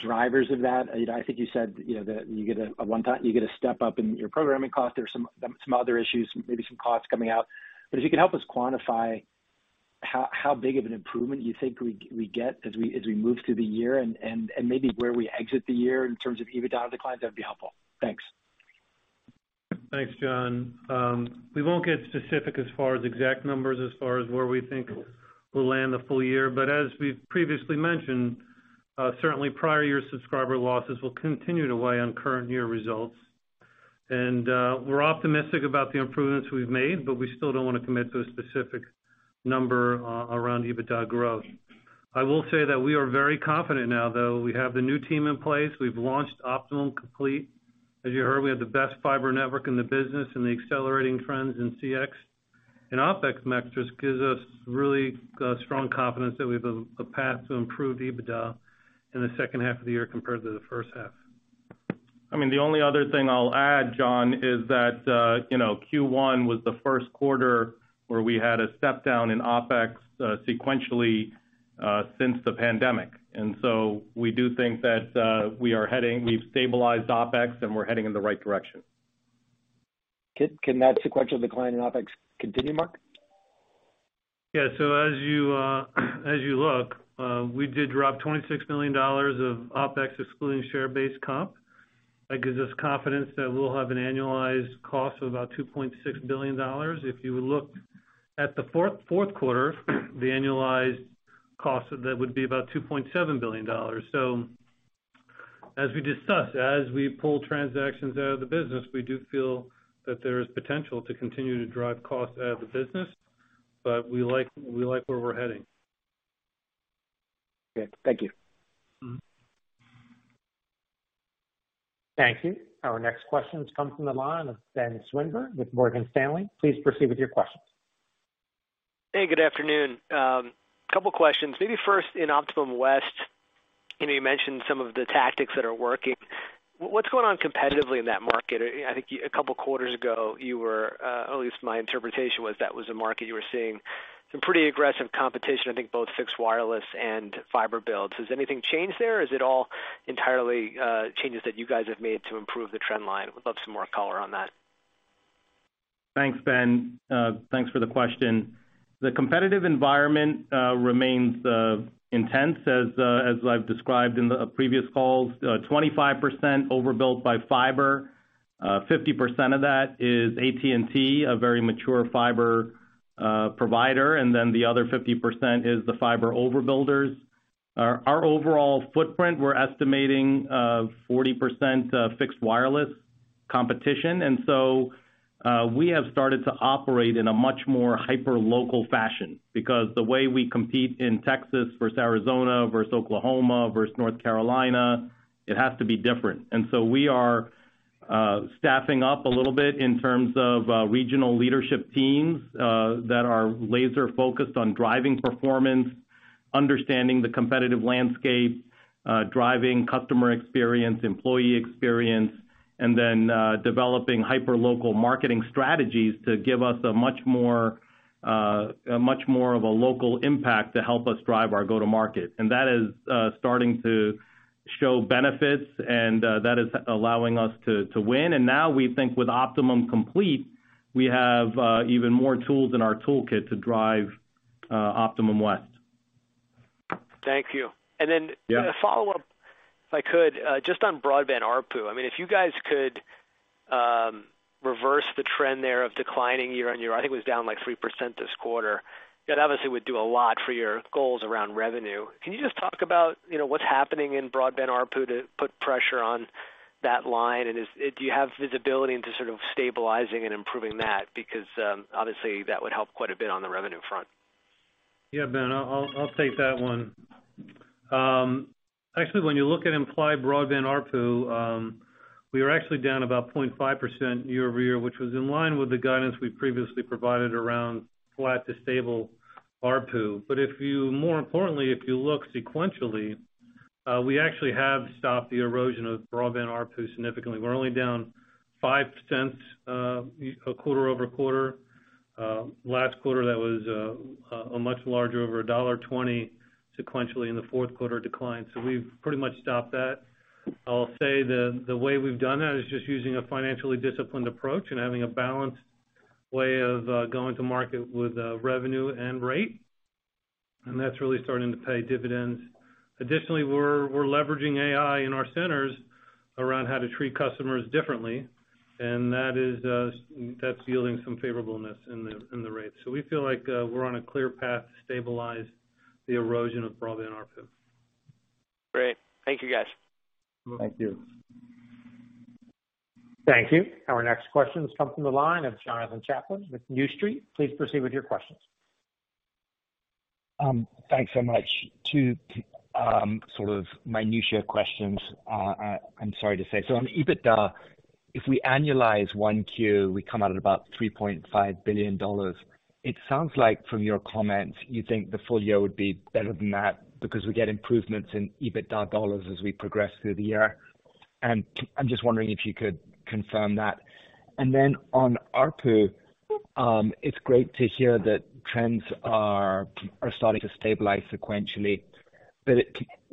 Speaker 9: drivers of that. You know, I think you said, you know, that you get a step up in your programming costs. There are some other issues, maybe some costs coming out. If you can help us quantify how big of an improvement you think we get as we move through the year and maybe where we exit the year in terms of EBITDA declines, that'd be helpful. Thanks.
Speaker 4: Thanks, John. We won't get specific as far as exact numbers, as far as where we think we'll land the full year, but as we've previously mentioned, certainly prior year subscriber losses will continue to weigh on current year results. We're optimistic about the improvements we've made, but we still don't wanna commit to a specific number around EBITDA growth. I will say that we are very confident now, though, we have the new team in place. We've launched Optimum Complete. As you heard, we have the best fiber network in the business and the accelerating trends in CX. OpEx mix just gives us really strong confidence that we have a path to improve EBITDA in the second half of the year compared to the first half.
Speaker 3: I mean, the only other thing I'll add, John, is that, you know, Q1 was the first quarter where we had a step down in OpEx, sequentially, since the pandemic. We do think that, we've stabilized OpEx, and we're heading in the right direction.
Speaker 9: Can that sequential decline in OpEx continue, Marc?
Speaker 4: As you look, we did drop $26 million of OpEx, excluding share-based comp. That gives us confidence that we'll have an annualized cost of about $2.6 billion. If you look at the fourth quarter, the annualized cost of that would be about $2.7 billion. As we discussed, as we pull transactions out of the business, we do feel that there is potential to continue to drive costs out of the business, but we like where we're heading.
Speaker 9: Good. Thank you.
Speaker 4: Mm-hmm.
Speaker 1: Thank you. Our next question comes from the line of Ben Swinburne with Morgan Stanley. Please proceed with your questions.
Speaker 10: Hey, good afternoon. Couple questions. Maybe first in Optimum West, you know, you mentioned some of the tactics that are working. What's going on competitively in that market? I think a couple quarters ago, you were, at least my interpretation was that was a market you were seeing some pretty aggressive competition, I think both fixed wireless and fiber builds. Has anything changed there? Is it all entirely, changes that you guys have made to improve the trend line? Would love some more color on that.
Speaker 3: Thanks, Ben. Thanks for the question. The competitive environment remains intense, as I've described in the previous calls. 25% overbuilt by fiber. 50% of that is AT&T, a very mature fiber provider, and then the other 50% is the fiber overbuilders. Our overall footprint, we're estimating, 40% fixed wireless competition. We have started to operate in a much more hyperlocal fashion because the way we compete in Texas versus Arizona versus Oklahoma versus North Carolina, it has to be different. We are staffing up a little bit in terms of regional leadership teams that are laser focused on driving performance, understanding the competitive landscape, driving customer experience, employee experience, and then developing hyperlocal marketing strategies to give us a much more of a local impact to help us drive our go-to-market. That is starting to show benefits, and that is allowing us to win. We think with Optimum Complete, we have even more tools in our toolkit to drive Optimum West.
Speaker 10: Thank you.
Speaker 3: Yeah.
Speaker 10: A follow-up, if I could, just on broadband ARPU. I mean, if you guys could reverse the trend there of declining year-over-year, I think it was down like 3% this quarter. That obviously would do a lot for your goals around revenue. Can you just talk about, you know, what's happening in broadband ARPU to put pressure on that line? Do you have visibility into sort of stabilizing and improving that? Because, obviously, that would help quite a bit on the revenue front.
Speaker 4: Yeah, Ben, I'll take that one. Actually, when you look at implied broadband ARPU, we are actually down about 0.5% year-over-year, which was in line with the guidance we previously provided around flat to stable ARPU. More importantly, if you look sequentially, we actually have stopped the erosion of broadband ARPU significantly. We're only down $0.05 quarter-over-quarter. Last quarter, that was a much larger, over $1.20 sequentially in the fourth quarter decline. We've pretty much stopped that. I'll say the way we've done that is just using a financially disciplined approach and having a balanced way of going to market with revenue and rate, and that's really starting to pay dividends. Additionally, we're leveraging AI in our centers around how to treat customers differently, that is, that's yielding some favorableness in the rates. We feel like, we're on a clear path to stabilize the erosion of broadband ARPU.
Speaker 10: Great. Thank you, guys.
Speaker 4: Thank you.
Speaker 1: Thank you. Our next question comes from the line of Jonathan Chaplin with New Street. Please proceed with your questions.
Speaker 11: Thanks so much. Two, sort of minutiae questions, I'm sorry to say. On EBITDA, if we annualize 1Q, we come out at about $3.5 billion. It sounds like from your comments, you think the full year would be better than that because we get improvements in EBITDA dollars as we progress through the year. I'm just wondering if you could confirm that. On ARPU, it's great to hear that trends are starting to stabilize sequentially.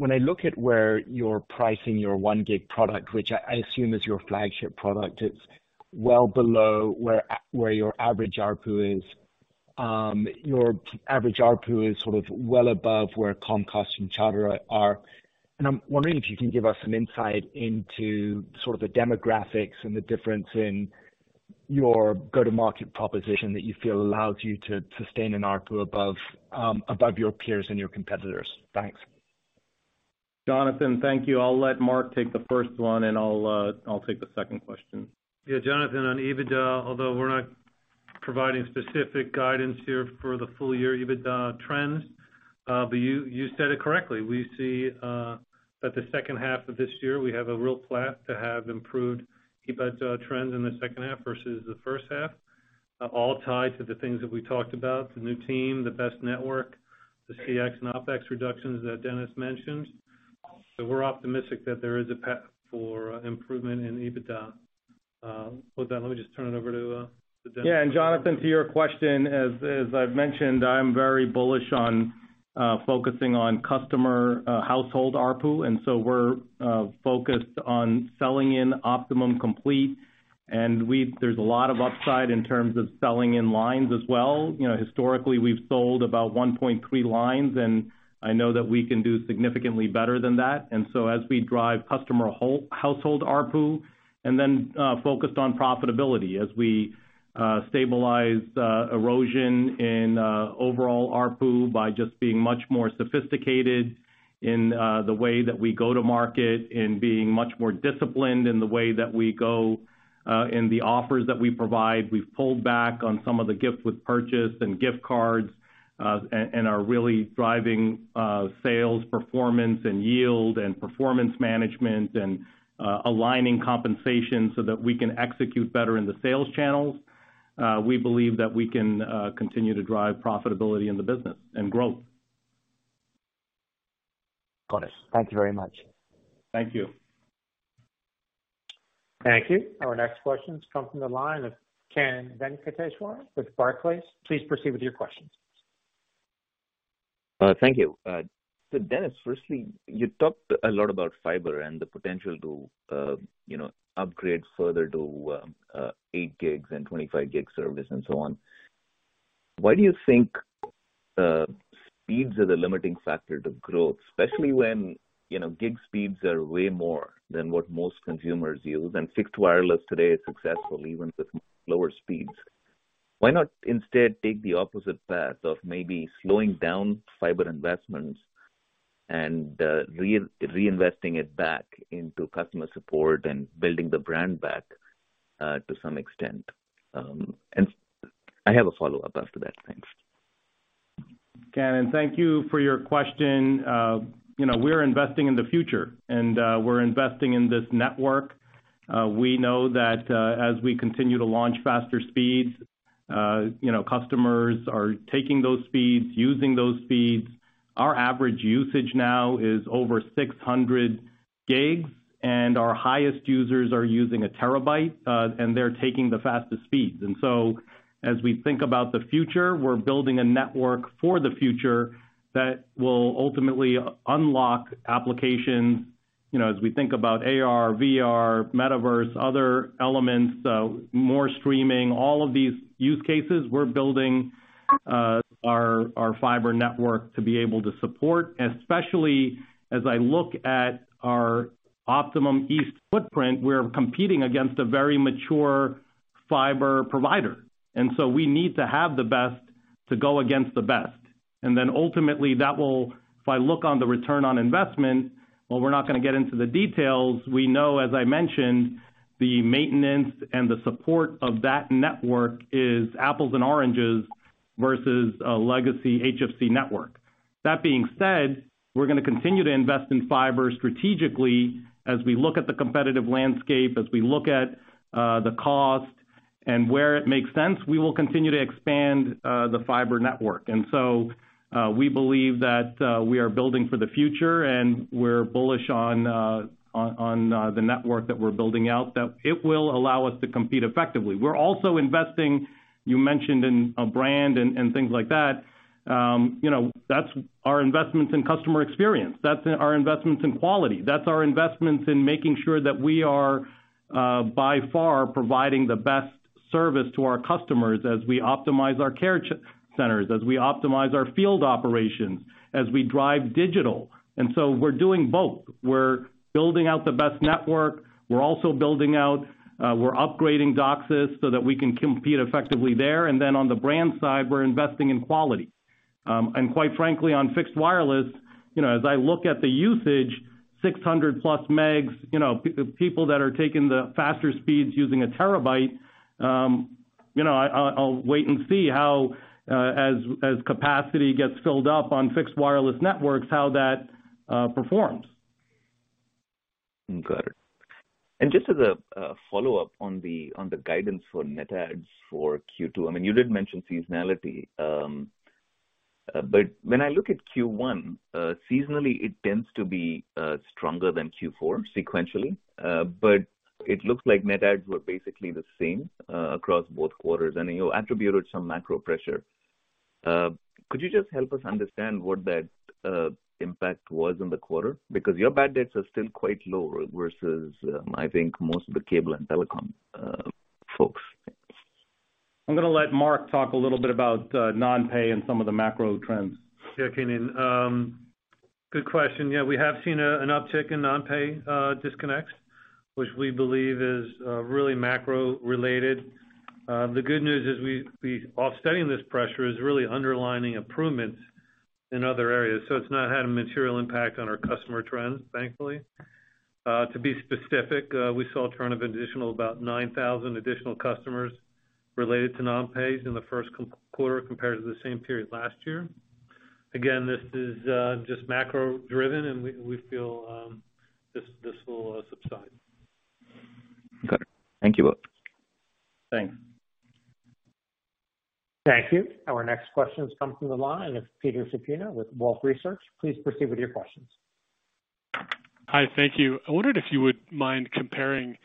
Speaker 11: When I look at where you're pricing your 1 gig product, which I assume is your flagship product, it's well below where your average ARPU is. Your average ARPU is sort of well above where Comcast and Charter are. I'm wondering if you can give us some insight into sort of the demographics and the difference in your go-to-market proposition that you feel allows you to sustain an ARPU above your peers and your competitors. Thanks.
Speaker 3: Jonathan, thank you. I'll let Marc take the first one, and I'll take the second question.
Speaker 4: Jonathan, on EBITDA, although we're not providing specific guidance here for the full year EBITDA trends, you said it correctly. We see that the second half of this year we have a real path to have improved EBITDA trends in the second half versus the first half, all tied to the things that we talked about, the new team, the best network, the CX and OpEx reductions that Dennis mentioned. We're optimistic that there is a path for improvement in EBITDA. With that, let me just turn it over to Dennis.
Speaker 3: Jonathan, to your question, as I've mentioned, I'm very bullish on focusing on customer household ARPU. We're focused on selling in Optimum Complete. There's a lot of upside in terms of selling in lines as well. You know, historically, we've sold about 1.3 lines, and I know that we can do significantly better than that. As we drive customer household ARPU, and then focused on profitability as we stabilize erosion in overall ARPU by just being much more sophisticated in the way that we go to market and being much more disciplined in the way that we go in the offers that we provide. We've pulled back on some of the gift with purchase and gift cards, and are really driving sales performance and yield and performance management and aligning compensation so that we can execute better in the sales channels. We believe that we can continue to drive profitability in the business and growth.
Speaker 11: Got it. Thank you very much.
Speaker 3: Thank you.
Speaker 1: Thank you. Our next question comes from the line of Kannan Venkateshwar with Barclays. Please proceed with your questions.
Speaker 12: Thank you. Dennis, firstly, you talked a lot about fiber and the potential to, you know, upgrade further to, 8 gigs and 25 gig service and so on. Why do you think, speeds are the limiting factor to growth, especially when, you know, gig speeds are way more than what most consumers use, and fixed wireless today is successful even with lower speeds? Why not instead take the opposite path of maybe slowing down fiber investments and reinvesting it back ino customer support and building the brand back, to some extent? I have a follow-up after that. Thanks.
Speaker 3: Kannan, thank you for your question. You know, we're investing in the future, and we're investing in this network. We know that, as we continue to launch faster speeds, you know, customers are taking those speeds, using those speeds. Our average usage now is over 600 GB, and our highest users are using 1 terabyte, and they're taking the fastest speeds. As we think about the future, we're building a network for the future that will ultimately unlock applications, you know, as we think about AR, VR, metaverse, other elements, more streaming, all of these use cases, we're building our fiber network to be able to support. Especially as I look at our Optimum East footprint, we're competing against a very mature fiber provider, so we need to have the best to go against the best. Ultimately, if I look on the return on investment, while we are not going to get into the details, we know, as I mentioned, the maintenance and the support of that network is apples and oranges versus a legacy HFC network. That being said, we are going to continue to invest in fiber strategically as we look at the competitive landscape, as we look at the cost. Where it makes sense, we will continue to expand the fiber network. We believe that we are building for the future, and we are bullish on the network that we're building out, that it will allow us to compete effectively. We are also investing, you mentioned, in a brand and things like that. You know, that is our investments in customer experience. That is our investments in quality. That's our investments in making sure that we are by far providing the best service to our customers as we optimize our care centers, as we optimize our field operations, as we drive digital. We're doing both. We're building out the best network. We're also building out, we're upgrading DOCSIS so that we can compete effectively there. On the brand side, we're investing in quality. Quite frankly, on fixed wireless, you know, as I look at the usage, 600+ megs, you know, people that are taking the faster speeds using a terabyte, you know, I'll wait and see how as capacity gets filled up on fixed wireless networks, how that performs.
Speaker 12: Got it. Just as a follow-up on the, on the guidance for net adds for Q2, I mean, you did mention seasonality. When I look at Q1, seasonally it tends to be stronger than Q4 sequentially. It looks like net adds were basically the same across both quarters, and you attributed some macro pressure. Could you just help us understand what that impact was in the quarter? Because your bad debts are still quite low versus, I think most of the cable and telecom folks.
Speaker 3: I'm gonna let Marc talk a little bit about non-pay and some of the macro trends.
Speaker 4: Yeah, Kannan. Good question. Yeah, we have seen an uptick in non-pay disconnects, which we believe is really macro related. The good news is offsetting this pressure is really underlining improvements in other areas. It's not had a material impact on our customer trends, thankfully. To be specific, we saw a churn of about 9,000 additional customers related to non-pays in the first quarter compared to the same period last year. This is just macro driven, and we feel this will subside.
Speaker 12: Got it. Thank you both.
Speaker 3: Thanks.
Speaker 1: Thank you. Our next question comes from the line of Peter Supino with Wolfe Research. Please proceed with your questions.
Speaker 13: Hi. Thank you. I wondered if you would mind comparing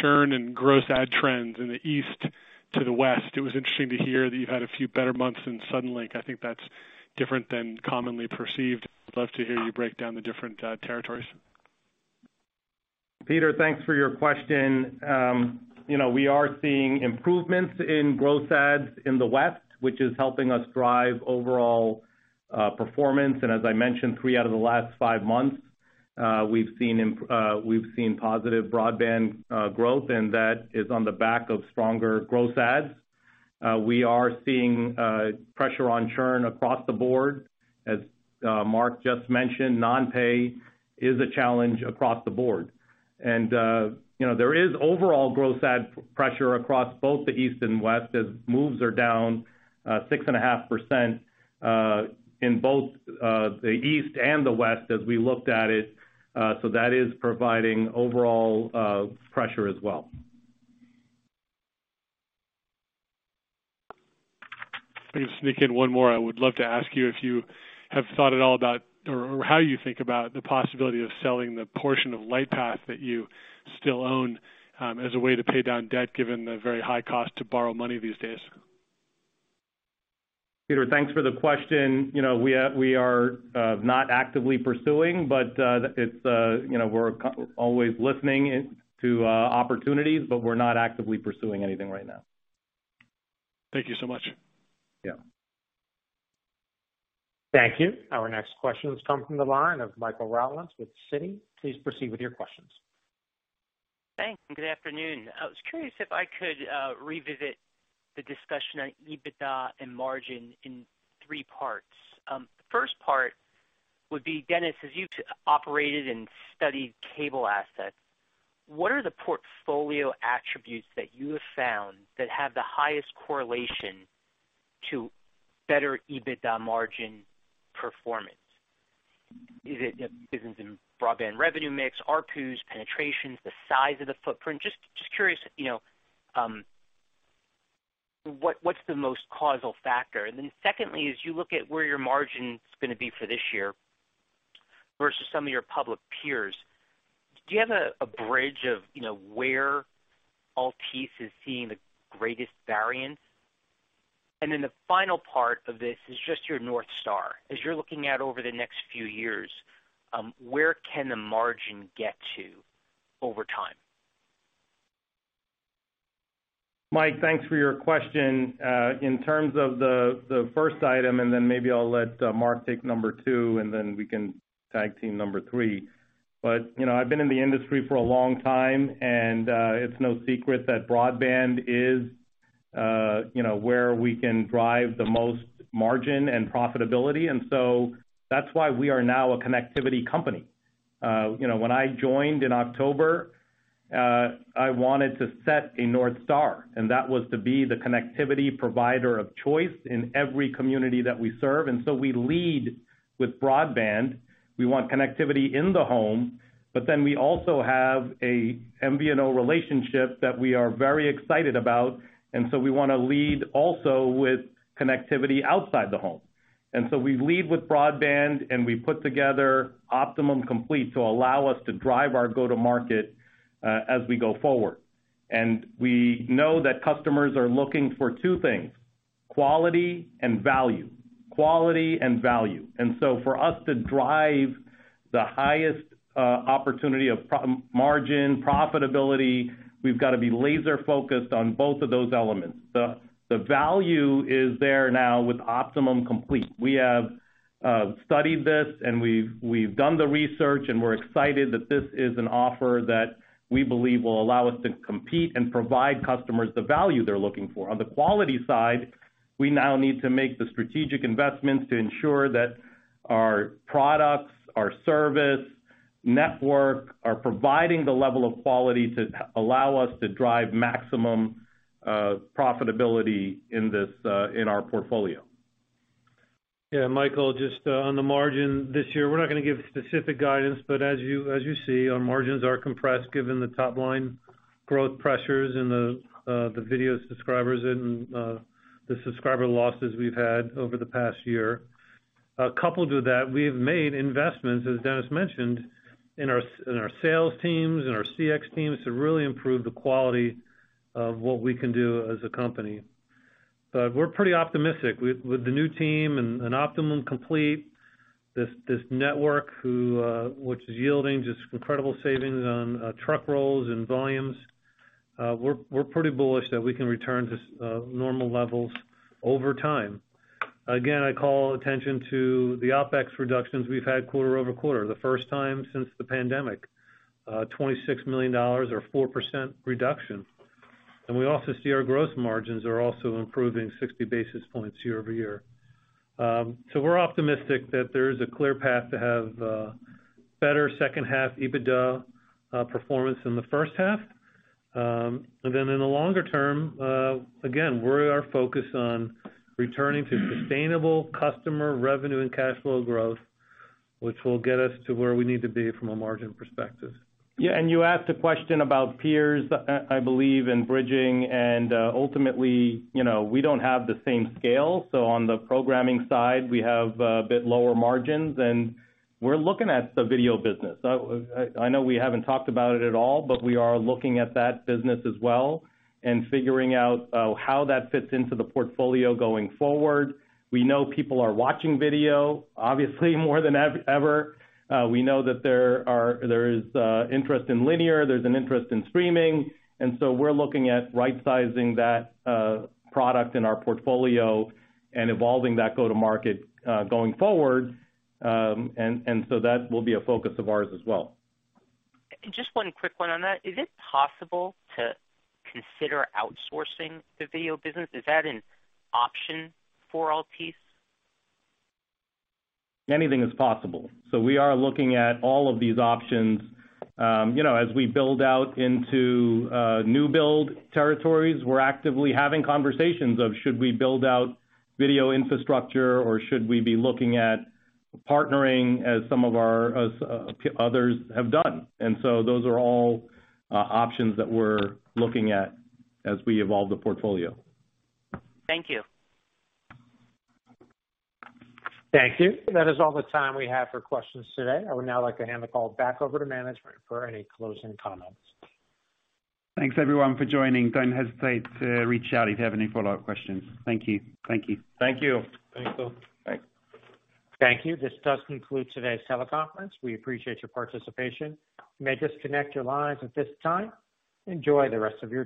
Speaker 13: churn and gross add trends in the East to the West. It was interesting to hear that you had a few better months in Suddenlink. I think that's different than commonly perceived. Love to hear you break down the different territories.
Speaker 3: Peter, thanks for your question. You know, we are seeing improvements in growth adds in the West, which is helping us drive overall performance. As I mentioned, three out of the last 5 months, we've seen positive broadband growth, and that is on the back of stronger growth adds. We are seeing pressure on churn across the board. As Marc just mentioned, non-pay is a challenge across the board. You know, there is overall growth add pressure across both the East and West as moves are down 6.5%, in both the East and the West as we looked at it. That is providing overall pressure as well.
Speaker 13: If I can sneak in one more, I would love to ask you if you have thought at all about or how you think about the possibility of selling the portion of Lightpath that you still own, as a way to pay down debt, given the very high cost to borrow money these days.
Speaker 3: Peter, thanks for the question. You know, we are not actively pursuing, but, it's, you know, we're always listening to opportunities, but we're not actively pursuing anything right now.
Speaker 13: Thank you so much.
Speaker 3: Yeah.
Speaker 1: Thank you. Our next question comes from the line of Michael Rollins with Citi. Please proceed with your questions.
Speaker 14: Thanks. Good afternoon. I was curious if I could revisit the discussion on EBITDA and margin in three parts. The first part would be, Dennis, as you operated and studied cable assets, what are the portfolio attributes that you have found that have the highest correlation to better EBITDA margin performance? Is it the business in broadband revenue mix, ARPUs, penetrations, the size of the footprint? Just curious, you know, what's the most causal factor? Secondly, as you look at where your margin's gonna be for this year versus some of your public peers, do you have a bridge of, you know, where Altice USA is seeing the greatest variance? The final part of this is just your North Star. As you're looking out over the next few years, where can the margin get to over time?
Speaker 3: Mike, thanks for your question. In terms of the first item, and then maybe I'll let, Marc take number two, and then we can tag team number three. You know, I've been in the industry for a long time, and it's no secret that broadband is, you know, where we can drive the most margin and profitability. That's why we are now a connectivity company. You know, when I joined in October, I wanted to set a North Star, and that was to be the connectivity provider of choice in every community that we serve. We lead with broadband. We want connectivity in the home, but then we also have a MVNO relationship that we are very excited about, and so we wanna lead also with connectivity outside the home. We lead with broadband, and we put together Optimum Complete to allow us to drive our go-to-market as we go forward. We know that customers are looking for two things, quality and value. Quality and value. For us to drive the highest opportunity of margin, profitability, we've got to be laser focused on both of those elements. The value is there now with Optimum Complete. We have studied this, and we've done the research, and we're excited that this is an offer that we believe will allow us to compete and provide customers the value they're looking for. On the quality side, we now need to make the strategic investments to ensure that our products, our service, network are providing the level of quality to allow us to drive maximum profitability in this in our portfolio.
Speaker 4: Michael, just on the margin this year, we're not gonna give specific guidance. As you see, our margins are compressed given the top line growth pressures in the video subscribers and the subscriber losses we've had over the past year. Coupled with that, we have made investments, as Dennis mentioned, in our sales teams and our CX teams to really improve the quality of what we can do as a company. We're pretty optimistic with the new team and Optimum Complete, this network which is yielding just incredible savings on truck rolls and volumes. We're pretty bullish that we can return to normal levels over time. Again, I call attention to the OpEx reductions we've had quarter-over-quarter, the first time since the pandemic, $26 million or 4% reduction. We also see our gross margins are also improving 60 basis points year-over-year. We're optimistic that there is a clear path to have better second half EBITDA performance in the first half. In the longer term, again, we're focused on returning to sustainable customer revenue and cash flow growth, which will get us to where we need to be from a margin perspective.
Speaker 3: Yeah. You asked a question about peers, I believe, ultimately, you know, we don't have the same scale. On the programming side, we have a bit lower margins, and we're looking at the video business. I know we haven't talked about it at all, but we are looking at that business as well and figuring out how that fits into the portfolio going forward. We know people are watching video, obviously more than ever. We know that there is interest in linear, there's an interest in streaming, we're looking at rightsizing that product in our portfolio and evolving that go-to-market going forward. That will be a focus of ours as well.
Speaker 14: Just one quick one on that. Is it possible to consider outsourcing the video business? Is that an option for Altice?
Speaker 3: Anything is possible. We are looking at all of these options. You know, as we build out into new build territories, we're actively having conversations of should we build out video infrastructure or should we be looking at partnering as some of our others have done. Those are all options that we're looking at as we evolve the portfolio.
Speaker 14: Thank you.
Speaker 1: Thank you. That is all the time we have for questions today. I would now like to hand the call back over to management for any closing comments.
Speaker 2: Thanks, everyone, for joining. Don't hesitate to reach out if you have any follow-up questions. Thank you. Thank you.
Speaker 3: Thank you.
Speaker 4: Thank you.
Speaker 2: Bye.
Speaker 1: Thank you. This does conclude today's teleconference. We appreciate your participation. You may disconnect your lines at this time. Enjoy the rest of your day.